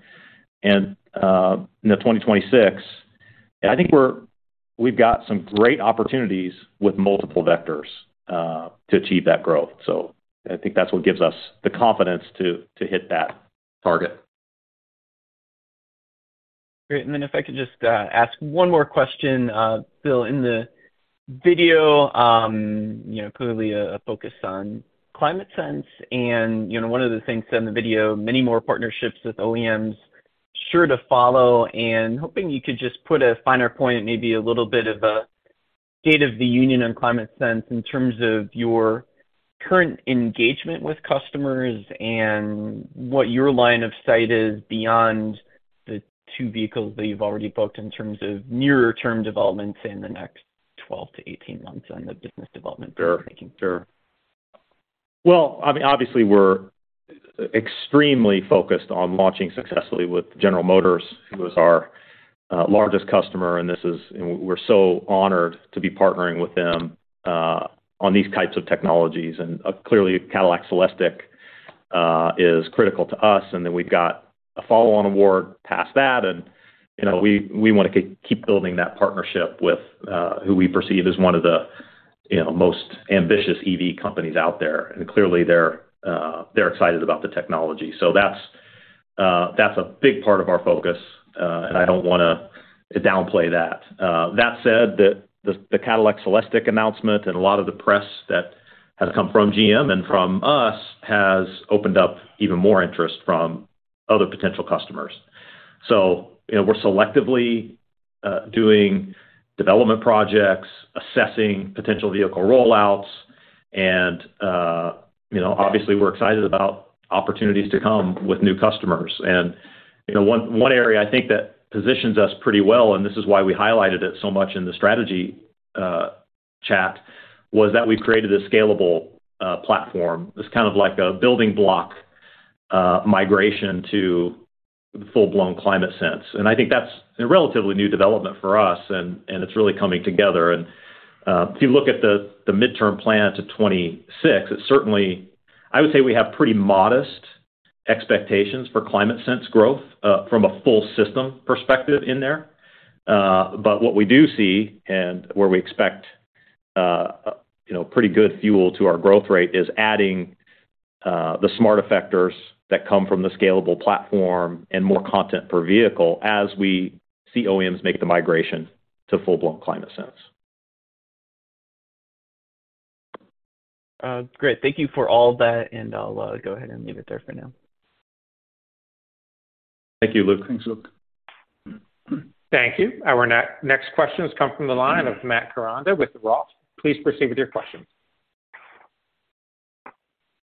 you know, 2026. I think we've got some great opportunities with multiple vectors to achieve that growth. I think that's what gives us the confidence to hit that target. Great. If I could just ask one more question, Phil. In the video, you know, clearly a focus on ClimateSense and, you know, one of the things said in the video, many more partnerships with OEMs sure to follow. Hoping you could just put a finer point, maybe a little bit of a state of the union on ClimateSense in terms of your current engagement with customers and what your line of sight is beyond the two vehicles that you've already booked in terms of nearer term developments in the next 12 to 18 months on the business development you're making. Sure. Sure. Well, I mean, obviously we're extremely focused on launching successfully with General Motors, who is our largest customer, we're so honored to be partnering with them on these types of technologies. Clearly, Cadillac CELESTIQ is critical to us. We've got a follow-on award past that. You know, we wanna keep building that partnership with who we perceive as one of the, you know, most ambitious EV companies out there. Clearly they're excited about the technology. That's a big part of our focus, and I don't wanna downplay that. That said, the Cadillac CELESTIQ announcement and a lot of the press that has come from GM and from us has opened up even more interest from other potential customers. You know, we're selectively doing development projects, assessing potential vehicle rollouts. You know, obviously we're excited about opportunities to come with new customers. You know, one area I think that positions us pretty well, and this is why we highlighted it so much in the strategy chat, was that we've created a scalable platform. It's kind of like a building block migration to full-blown ClimateSense. I think that's a relatively new development for us and it's really coming together. If you look at the midterm plan to 2026, it's certainly. I would say we have pretty modest expectations for ClimateSense growth from a full system perspective in there. What we do see and where we expect, you know, pretty good fuel to our growth rate is adding the smart effectors that come from the scalable platform and more content per vehicle as we see OEMs make the migration to full-blown ClimateSense. Great. Thank you for all that, and I'll go ahead and leave it there for now. Thank you, Luke. Thanks, Luke. Thank you. Our next questions come from the line of Matt Koranda with ROTH. Please proceed with your questions.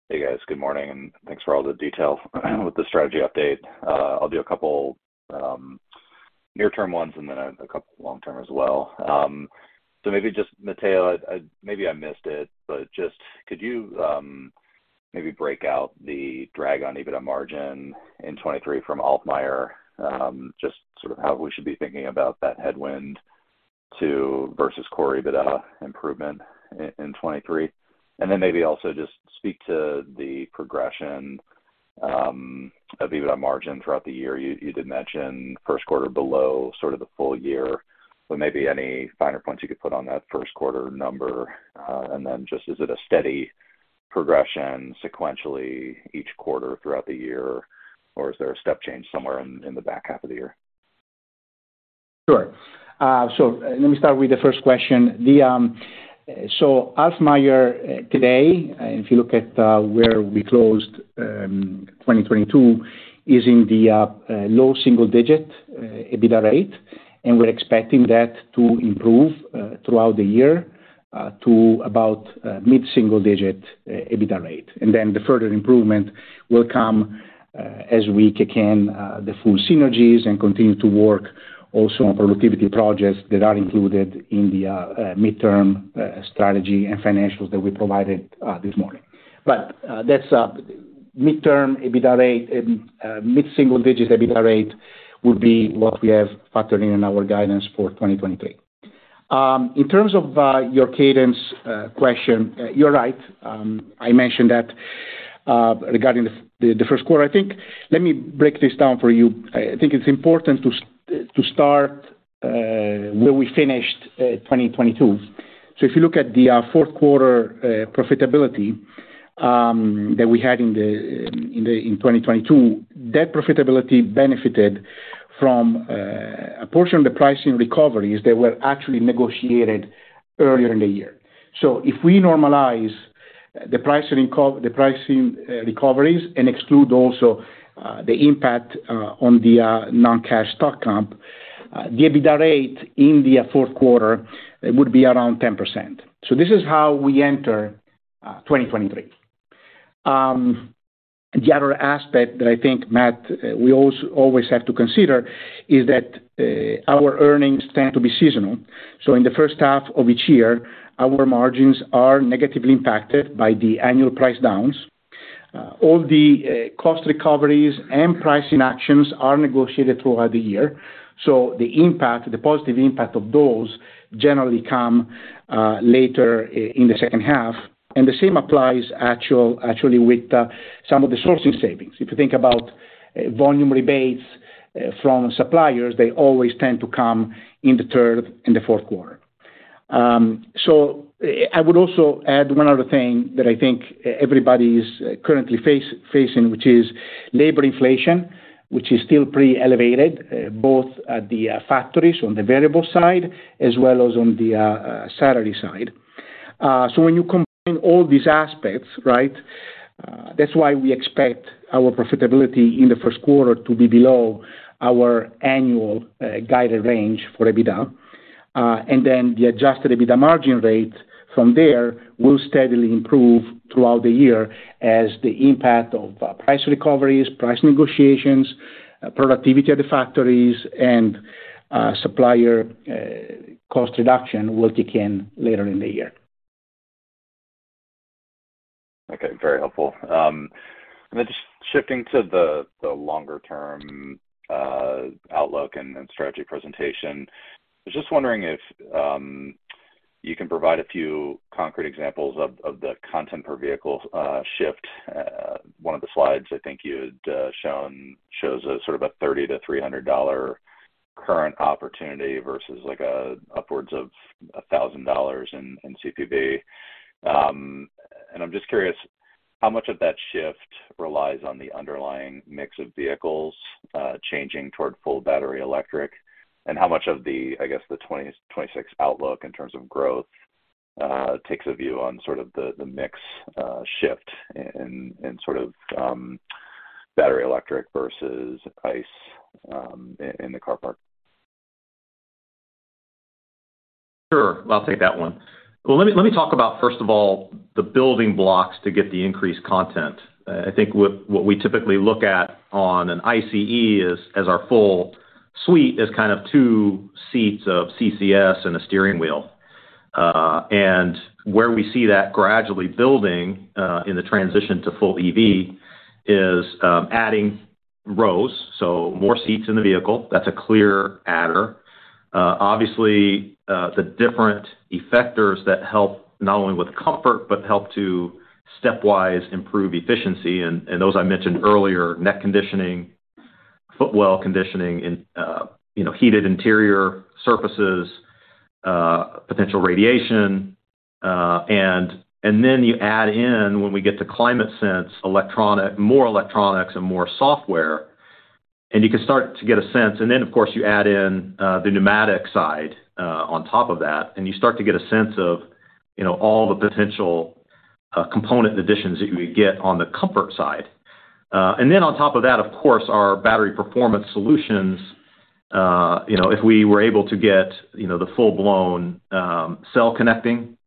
Hey, guys. Good morning, and thanks for all the detail with the strategy update. I'll do a couple near-term ones and then a couple long-term as well. Maybe just Matteo, maybe I missed it, but just could you maybe break out the drag on EBITDA margin in 2023 from Alfmeier, just sort of how we should be thinking about that headwind to versus core EBITDA improvement in 2023. Then maybe also just speak to the progression of EBITDA margin throughout the year. You did mention first quarter below sort of the full year, but maybe any finer points you could put on that first quarter number. Then just is it a steady progression sequentially each quarter throughout the year, or is there a step change somewhere in the back half of the year? Sure. Let me start with the first question. Alfmeier today, if you look at where we closed 2022, is in the low single digit EBITDA rate, and we're expecting that to improve throughout the year. To about mid-single digit EBITDA rate. The further improvement will come as we kick in the full synergies and continue to work also on productivity projects that are included in the midterm strategy and financials that we provided this morning. That's a midterm EBITDA rate and mid-single digits EBITDA rate would be what we have factored in in our guidance for 2023. In terms of your cadence question, you're right. I mentioned that regarding the first quarter. I think let me break this down for you. I think it's important to start where we finished 2022. If you look at the fourth quarter profitability that we had in 2022, that profitability benefited from a portion of the pricing recoveries that were actually negotiated earlier in the year. If we normalize the pricing the pricing recoveries and exclude also the impact on the non-cash stock comp, the EBITDA rate in the fourth quarter, it would be around 10%. This is how we enter 2023. The other aspect that I think, Matt, we always have to consider is that our earnings tend to be seasonal. In the first half of each year, our margins are negatively impacted by the annual price downs. All the cost recoveries and pricing actions are negotiated throughout the year, so the impact, the positive impact of those generally come later in the second half. The same applies actually with some of the sourcing savings. If you think about volume rebates from suppliers, they always tend to come in the third and the fourth quarter. I would also add one other thing that I think everybody is currently facing, which is labor inflation, which is still pretty elevated, both at the factories on the variable side as well as on the salary side. When you combine all these aspects, right, that's why we expect our profitability in the first quarter to be below our annual guided range for EBITDA. The adjusted EBITDA margin rate from there will steadily improve throughout the year as the impact of price recoveries, price negotiations, productivity at the factories, and supplier cost reduction will kick in later in the year. Okay, very helpful. Just shifting to the longer term outlook and strategy presentation. I was just wondering if you can provide a few concrete examples of the content per vehicle shift. One of the slides I think you had shown shows a sort of a $30-$300 current opportunity versus like a upwards of $1,000 in CPV. I'm just curious how much of that shift relies on the underlying mix of vehicles changing toward full battery electric, and how much of the, I guess, the 2026 outlook in terms of growth takes a view on sort of the mix shift in sort of battery electric versus ICE in the car park? Sure. I'll take that one. Well, let me talk about, first of all, the building blocks to get the increased content. I think what we typically look at on an ICE is as our full suite is kind of two seats of CCS and a steering wheel. Where we see that gradually building in the transition to full EV is adding rows, so more seats in the vehicle. That's a clear adder. Obviously, the different effectors that help not only with comfort, but help to stepwise improve efficiency, and those I mentioned earlier, neck conditioning, footwell conditioning, and, you know, heated interior surfaces, potential radiation. Then you add in when we get to ClimateSense more electronics and more software, and you can start to get a sense. Of course, you add in the pneumatic side on top of that, and you start to get a sense of, you know, all the potential component additions that you would get on the comfort side. On top of that, of course, our battery performance solutions, you know, if we were able to get, you know, the full-blown Cell Connecting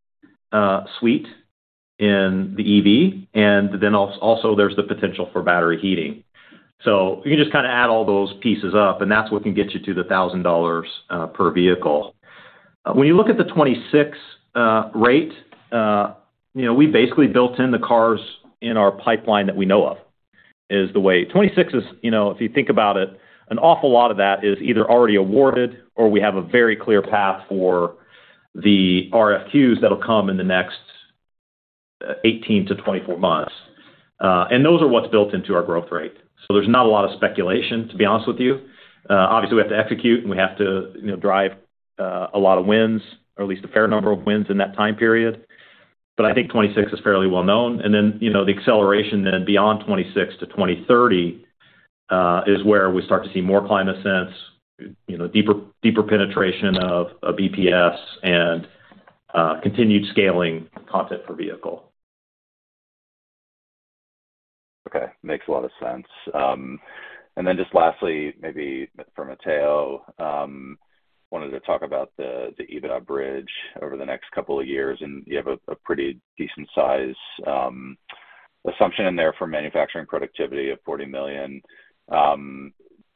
suite in the EV, and then also there's the potential for battery heating. You can just kinda add all those pieces up, and that's what can get you to the $1,000 per vehicle. When you look at the 26 rate, you know, we basically built in the cars in our pipeline that we know of is the way. 2026 is, you know, if you think about it, an awful lot of that is either already awarded or we have a very clear path for the RFQs that'll come in the next 18-24 months. Those are what's built into our growth rate. There's not a lot of speculation, to be honest with you. Obviously, we have to execute, and we have to, you know, drive a lot of wins or at least a fair number of wins in that time period. I think 2026 is fairly well-known. Then, you know, the acceleration then beyond 2026 to 2030 is where we start to see more ClimateSense, you know, deeper penetration of BPS and continued scaling content per vehicle. Makes a lot of sense. Just lastly, maybe for Matteo, wanted to talk about the EBITDA bridge over the next couple of years. You have a pretty decent size assumption in there for manufacturing productivity of $40 million.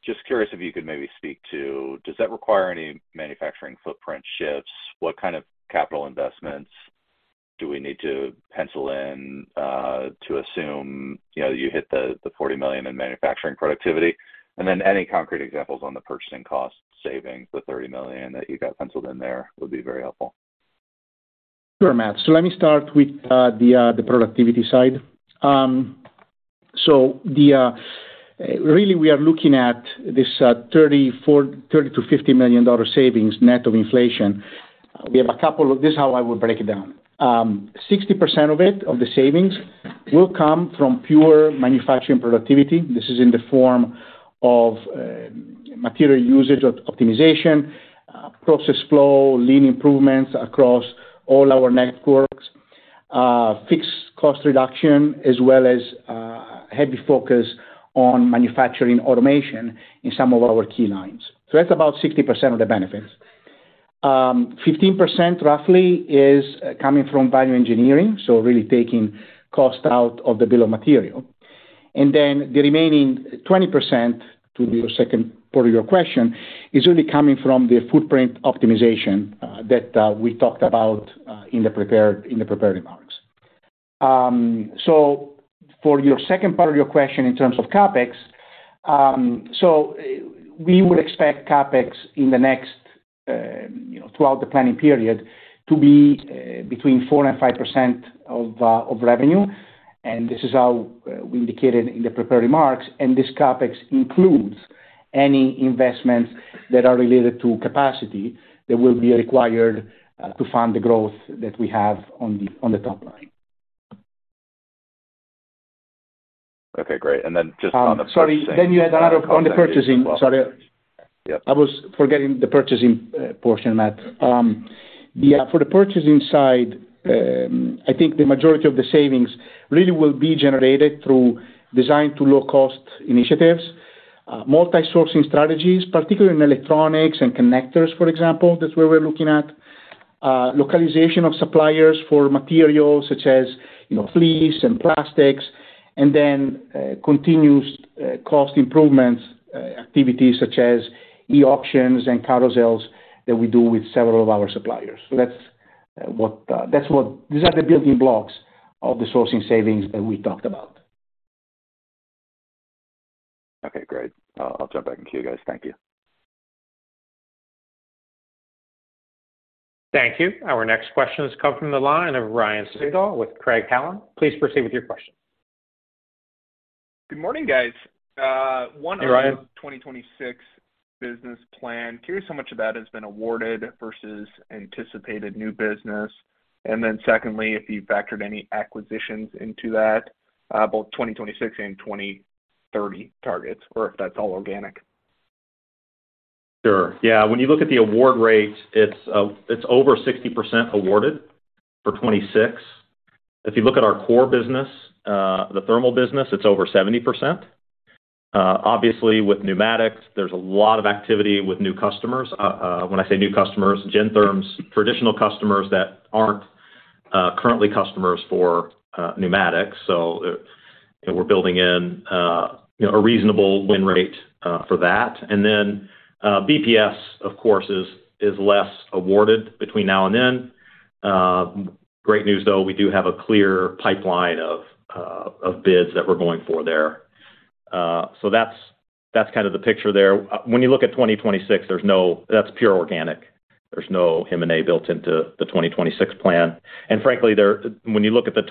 Just curious if you could maybe speak to, does that require any manufacturing footprint shifts? What kind of capital investments do we need to pencil in to assume, you know, you hit the $40 million in manufacturing productivity? Any concrete examples on the purchasing cost savings, the $30 million that you got penciled in there, would be very helpful. Sure, Matt. Let me start with the productivity side. Really we are looking at this $30 million-$50 million savings net of inflation. This is how I would break it down. 60% of the savings will come from pure manufacturing productivity. This is in the form of material usage optimization, process flow, lean improvements across all our networks, fixed cost reduction, as well as heavy focus on manufacturing automation in some of our key lines. That's about 60% of the benefits. 15% roughly is coming from value engineering, really taking cost out of the bill of material. The remaining 20%, to your second part of your question, is really coming from the footprint optimization that we talked about in the prepared remarks. For your second part of your question in terms of CapEx, we would expect CapEx in the next, you know, throughout the planning period to be between 4% and 5% of revenue. This is how we indicated in the prepared remarks. This CapEx includes any investments that are related to capacity that will be required to fund the growth that we have on the top line. Okay, great. Just on the purchasing Sorry. You had another on the purchasing. Sorry. Yep. I was forgetting the purchasing portion, Matt. Yeah, for the purchasing side, I think the majority of the savings really will be generated through design to low cost initiatives, multi-sourcing strategies, particularly in electronics and connectors, for example. That's where we're looking at. Localization of suppliers for materials such as, you know, fleece and plastics. Then, continuous cost improvements activities such as e-auctions and carousels that we do with several of our suppliers. That's what. These are the building blocks of the sourcing savings that we talked about. Okay, great. I'll jump back in to you guys. Thank you. Thank you. Our next question has come from the line of Ryan Sigdahl with Craig-Hallum. Please proceed with your question. Good morning, guys. Hey, Ryan. The 2026 business plan, curious how much of that has been awarded versus anticipated new business? Secondly, if you've factored any acquisitions into that, both 2026 and 2030 targets, or if that's all organic? Sure. Yeah. When you look at the award rate, it's over 60% awarded for 2026. If you look at our core business, the thermal business, it's over 70%. Obviously with pneumatics, there's a lot of activity with new customers. When I say new customers, Gentherm's traditional customers that aren't currently customers for pneumatics. We're building in, you know, a reasonable win rate for that. BPS, of course, is less awarded between now and then. Great news, though, we do have a clear pipeline of bids that we're going for there. That's kind of the picture there. When you look at 2026, that's pure organic. There's no M&A built into the 2026 plan. Frankly, when you look at the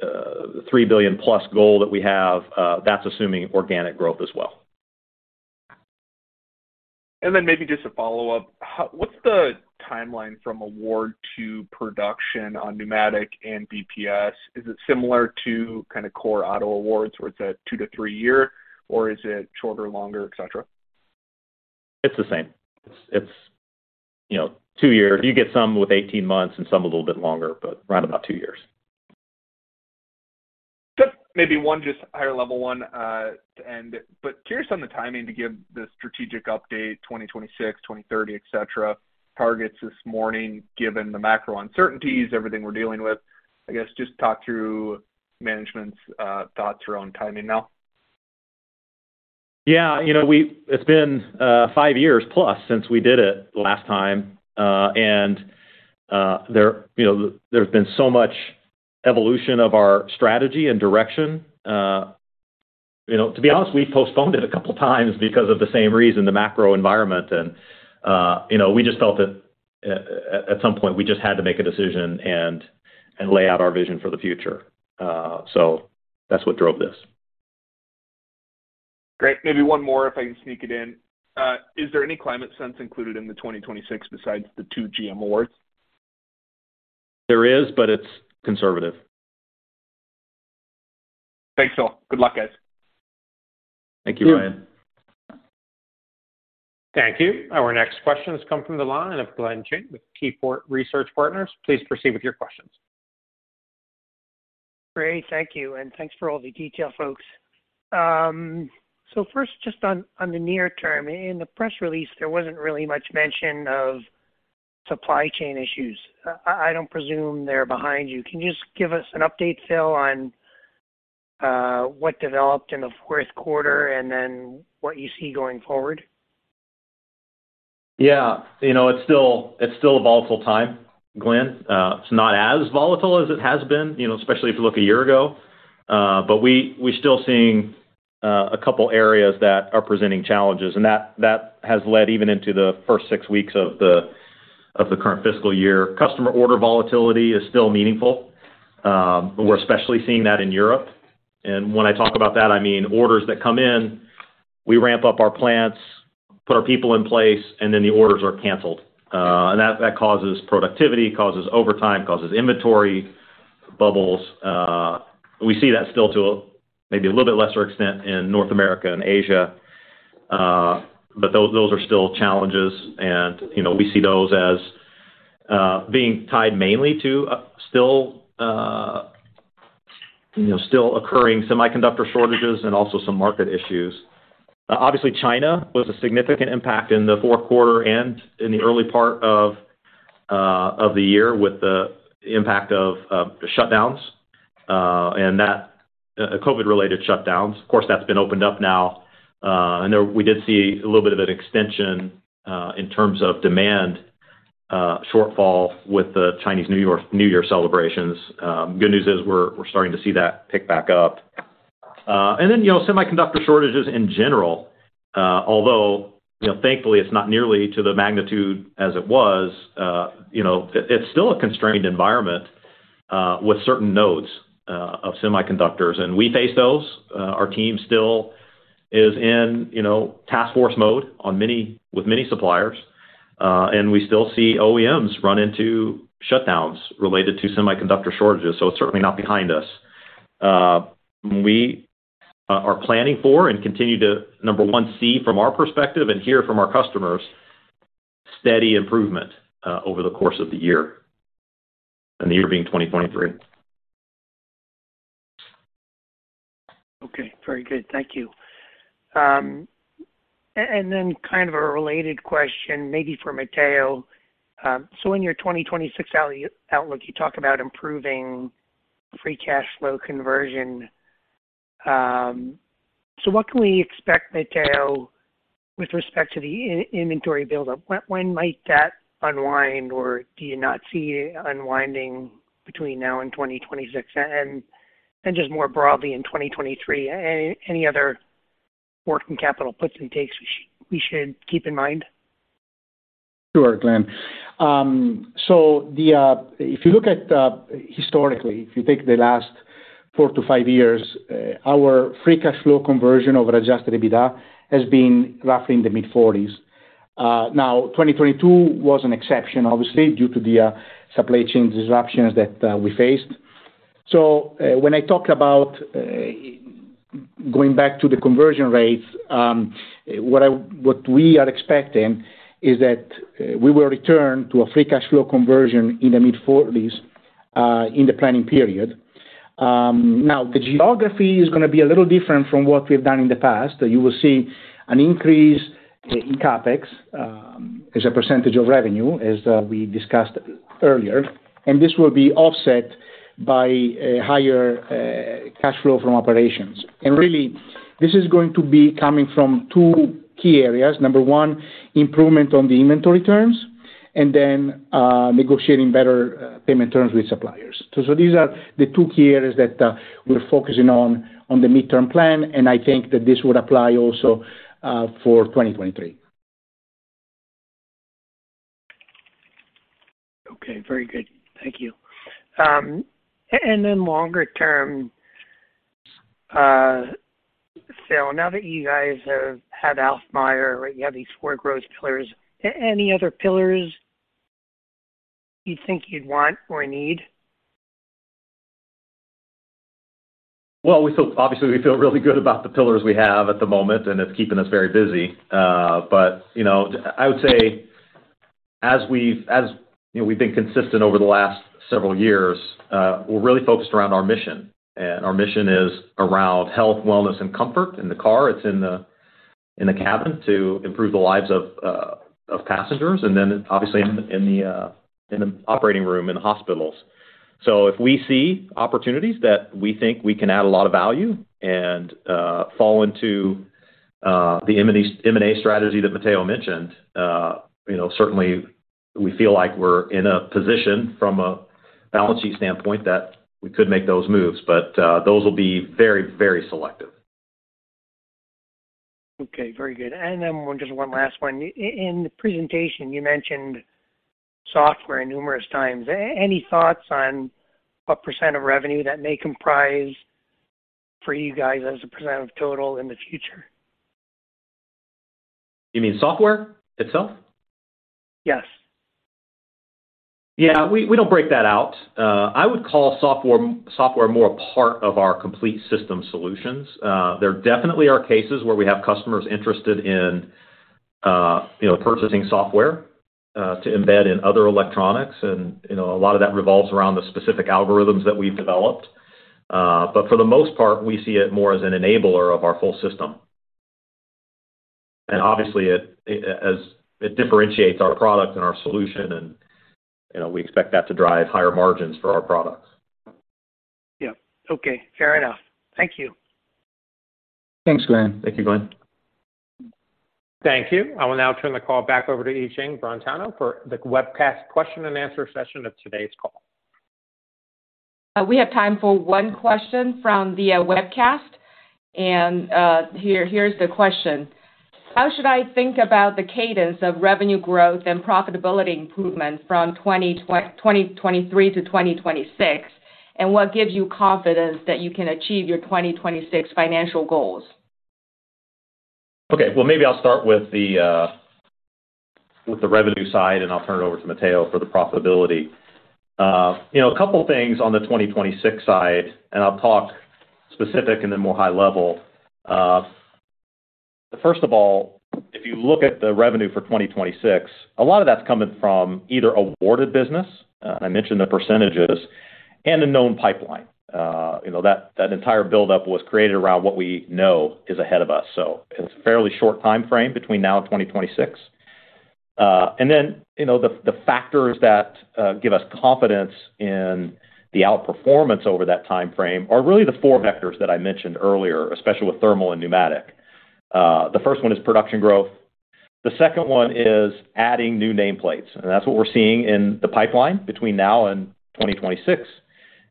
2030, $3 billion plus goal that we have, that's assuming organic growth as well. Maybe just a follow-up. What's the timeline from award to production on pneumatic and BPS? Is it similar to kind of core auto awards where it's at two to three years, or is it shorter, longer, et cetera? It's the same. It's, you know, two years. You get some with 18 months and some a little bit longer, but right about two years. Just maybe one, just higher level one, to end. Curious on the timing to give the strategic update, 2026, 2030, et cetera, targets this morning, given the macro uncertainties, everything we're dealing with. I guess just talk through management's thoughts around timing now? Yeah. You know, It's been five years plus since we did it last time. There, you know, there's been so much evolution of our strategy and direction. You know, to be honest, we postponed it a couple of times because of the same reason, the macro environment. You know, we just felt that at some point we just had to make a decision and lay out our vision for the future. That's what drove this. Great. Maybe one more, if I can sneak it in. Is there any ClimateSense included in the 2026 besides the two GM awards? There is, but it's conservative. Thanks, all. Good luck, guys. Thank you, Ryan. Thank you. Our next question has come from the line of Glenn Chin with Seaport Research Partners. Please proceed with your questions. Great. Thank you. Thanks for all the detail, folks. First, just on the near term. In the press release, there wasn't really much mention of supply chain issues. I don't presume they're behind you. Can you just give us an update, Phil, on what developed in the fourth quarter and then what you see going forward? Yeah. You know, it's still, it's still a volatile time, Glenn. It's not as volatile as it has been, you know, especially if you look a year ago. We, we're still seeing a couple areas that are presenting challenges, and that has led even into the first six weeks of the, of the current fiscal year. Customer order volatility is still meaningful, but we're especially seeing that in Europe. When I talk about that, I mean, orders that come in, we ramp up our plants, put our people in place, and then the orders are canceled. That, that causes productivity, causes overtime, causes inventory bubbles. We see that still to a maybe a little bit lesser extent in North America and Asia, but those are still challenges. You know, we see those as being tied mainly to still, you know, still occurring semiconductor shortages and also some market issues. Obviously, China was a significant impact in the fourth quarter and in the early part of the year with the impact of the shutdowns, COVID-related shutdowns. Of course, that's been opened up now. I know we did see a little bit of an extension in terms of demand shortfall with the Chinese New Year celebrations. Good news is we're starting to see that pick back up. Then, you know, semiconductor shortages in general, although, you know, thankfully, it's not nearly to the magnitude as it was, you know, it's still a constrained environment with certain nodes of semiconductors. We face those. Our team still is in, you know, task force mode with many suppliers. We still see OEMs run into shutdowns related to semiconductor shortages, so it's certainly not behind us. We are planning for and continue to, number one, see from our perspective and hear from our customers steady improvement over the course of the year, and the year being 2023. Okay. Very good. Thank you. Kind of a related question maybe for Matteo. In your 2026 outlook, you talk about improving free cash flow conversion. What can we expect, Matteo, with respect to the inventory buildup? When, when might that unwind, or do you not see it unwinding between now and 2026? Just more broadly in 2023, any other working capital puts and takes we should keep in mind? Sure, Glenn. If you look at historically, if you take the last four to five years, our free cash flow conversion over adjusted EBITDA has been roughly in the mid-forties. 2022 was an exception, obviously, due to the supply chain disruptions that we faced. When I talk about going back to the conversion rates, what we are expecting is that we will return to a free cash flow conversion in the mid-forties in the planning period. The geography is gonna be a little different from what we've done in the past. You will see an increase in CapEx as a percentage of revenue, as we discussed earlier, and this will be offset by a higher cash flow from operations. Really, this is going to be coming from two key areas. Number one, improvement on the inventory terms, and then negotiating better payment terms with suppliers. These are the two key areas that we're focusing on on the midterm plan, and I think that this would apply also for 2023. Okay, very good. Thank you. Longer term, Phil, now that you guys have had Alfmeier, you have these four growth pillars, any other pillars you think you'd want or need? Well, we feel really good about the pillars we have at the moment, and it's keeping us very busy. But, you know, I would say as we've, as, you know, we've been consistent over the last several years, we're really focused around our mission. Our mission is around health, wellness, and comfort in the car. It's in the cabin to improve the lives of passengers, and then obviously in the operating room in the hospitals. If we see opportunities that we think we can add a lot of value and fall into the M&A strategy that Matteo mentioned, you know, certainly we feel like we're in a position from a balance sheet standpoint that we could make those moves. But, those will be very, very selective. Okay, very good. Just one last one. In the presentation, you mentioned software numerous times. Any thoughts on what percent of revenue that may comprise for you guys as a percent of total in the future? You mean software itself? Yes. Yeah, we don't break that out. I would call software more a part of our complete system solutions. There definitely are cases where we have customers interested in, you know, purchasing software, to embed in other electronics and, you know, a lot of that revolves around the specific algorithms that we've developed. But for the most part, we see it more as an enabler of our full system. Obviously it differentiates our product and our solution and, you know, we expect that to drive higher margins for our products. Yeah. Okay. Fair enough. Thank you. Thanks, Glenn. Thank you, Glenn. Thank you. I will now turn the call back over to Yijing Brentano for the webcast question and answer session of today's call. We have time for one question from the webcast. Here's the question. How should I think about the cadence of revenue growth and profitability improvement from 2023 to 2026? What gives you confidence that you can achieve your 2026 financial goals? Okay. Well, maybe I'll start with the with the revenue side, and I'll turn it over to Matteo for the profitability. You know, a couple things on the 2026 side, and I'll talk specific and then more high level. First of all, if you look at the revenue for 2026, a lot of that's coming from either awarded business, and I mentioned the percentages, and the known pipeline. You know, that entire buildup was created around what we know is ahead of us. It's a fairly short timeframe between now and 2026. You know, the factors that give us confidence in the outperformance over that timeframe are really the four vectors that I mentioned earlier, especially with thermal and pneumatic. The first one is production growth. The second one is adding new nameplates. That's what we're seeing in the pipeline between now and 2026,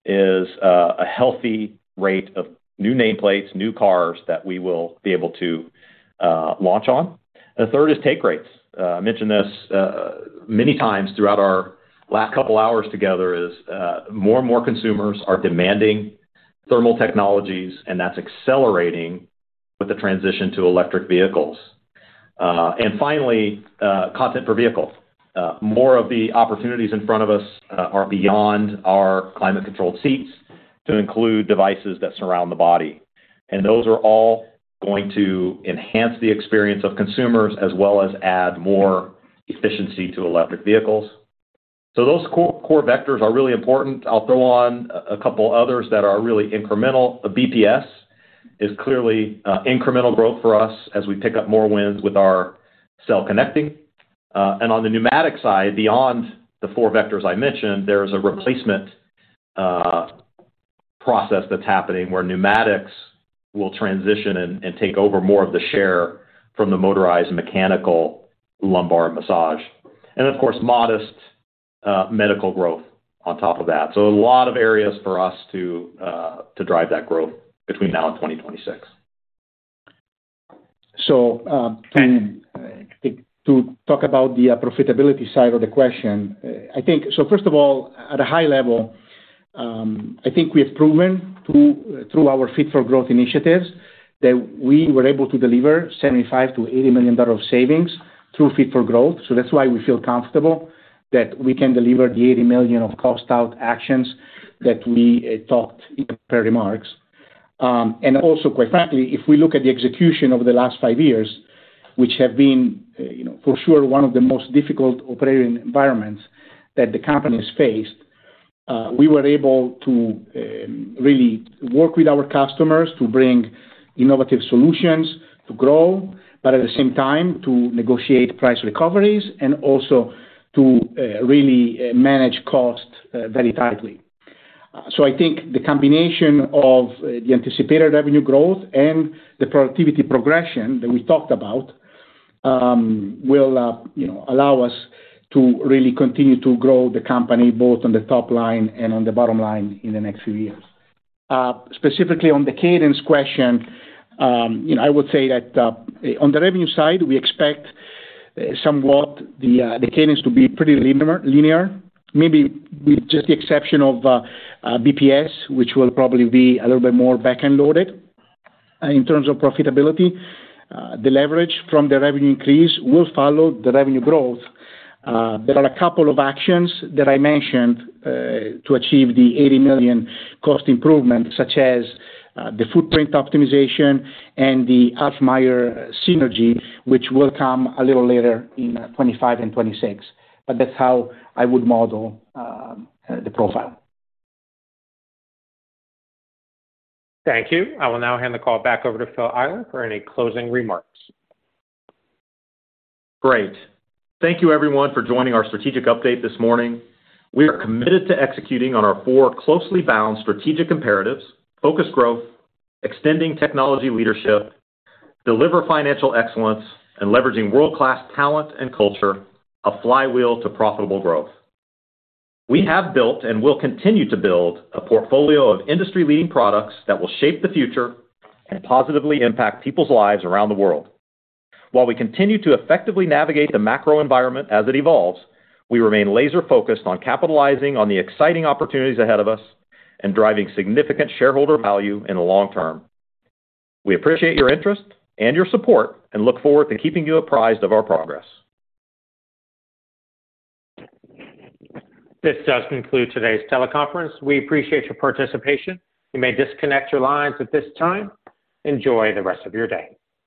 is a healthy rate of new nameplates, new cars that we will be able to launch on. The third is take rates. I mentioned this many times throughout our last couple hours together, is more and more consumers are demanding thermal technologies, and that's accelerating with the transition to electric vehicles. Finally, content per vehicle. More of the opportunities in front of us are beyond our climate controlled seats to include devices that surround the body. Those are all going to enhance the experience of consumers as well as add more efficiency to electric vehicles. Those core vectors are really important. I'll throw on a couple others that are really incremental. The BPS is clearly incremental growth for us as we pick up more wins with our Cell Connecting. On the pneumatic side, beyond the four vectors I mentioned, there's a replacement process that's happening where pneumatics will transition and take over more of the share from the motorized mechanical lumbar massage. Of course, modest medical growth on top of that. A lot of areas for us to drive that growth between now and 2026. To talk about the profitability side of the question. First of all, at a high level, I think we have proven through our Fit-for-Growth initiatives that we were able to deliver $75 million-$80 million of savings through Fit-for-Growth. That's why we feel comfortable that we can deliver the $80 million of cost out actions that we talked in the prepared remarks. Quite frankly, if we look at the execution over the last five years, which have been, you know, for sure one of the most difficult operating environments that the company has faced, we were able to really work with our customers to bring innovative solutions to grow, but at the same time, to negotiate price recoveries and also to really manage cost very tightly. I think the combination of the anticipated revenue growth and the productivity progression that we talked about, will, you know, allow us to really continue to grow the company both on the top line and on the bottom line in the next few years. Specifically on the cadence question, you know, I would say that on the revenue side, we expect somewhat the cadence to be pretty linear, maybe with just the exception of BPS, which will probably be a little bit more back-end loaded. In terms of profitability, the leverage from the revenue increase will follow the revenue growth. There are a couple of actions that I mentioned to achieve the $80 million cost improvement, such as the footprint optimization and the Alfmeier synergy, which will come a little later in 2025 and 2026. That's how I would model the profile. Thank you. I will now hand the call back over to Phil Eyler for any closing remarks. Great. Thank you everyone for joining our strategic update this morning. We are committed to executing on our four closely bound strategic imperatives, focused growth, extending technology leadership, deliver financial excellence, and leveraging world-class talent and culture, a flywheel to profitable growth. We have built and will continue to build a portfolio of industry-leading products that will shape the future and positively impact people's lives around the world. While we continue to effectively navigate the macro environment as it evolves, we remain laser-focused on capitalizing on the exciting opportunities ahead of us and driving significant shareholder value in the long term. We appreciate your interest and your support and look forward to keeping you apprised of our progress. This does conclude today's teleconference. We appreciate your participation. You may disconnect your lines at this time. Enjoy the rest of your day.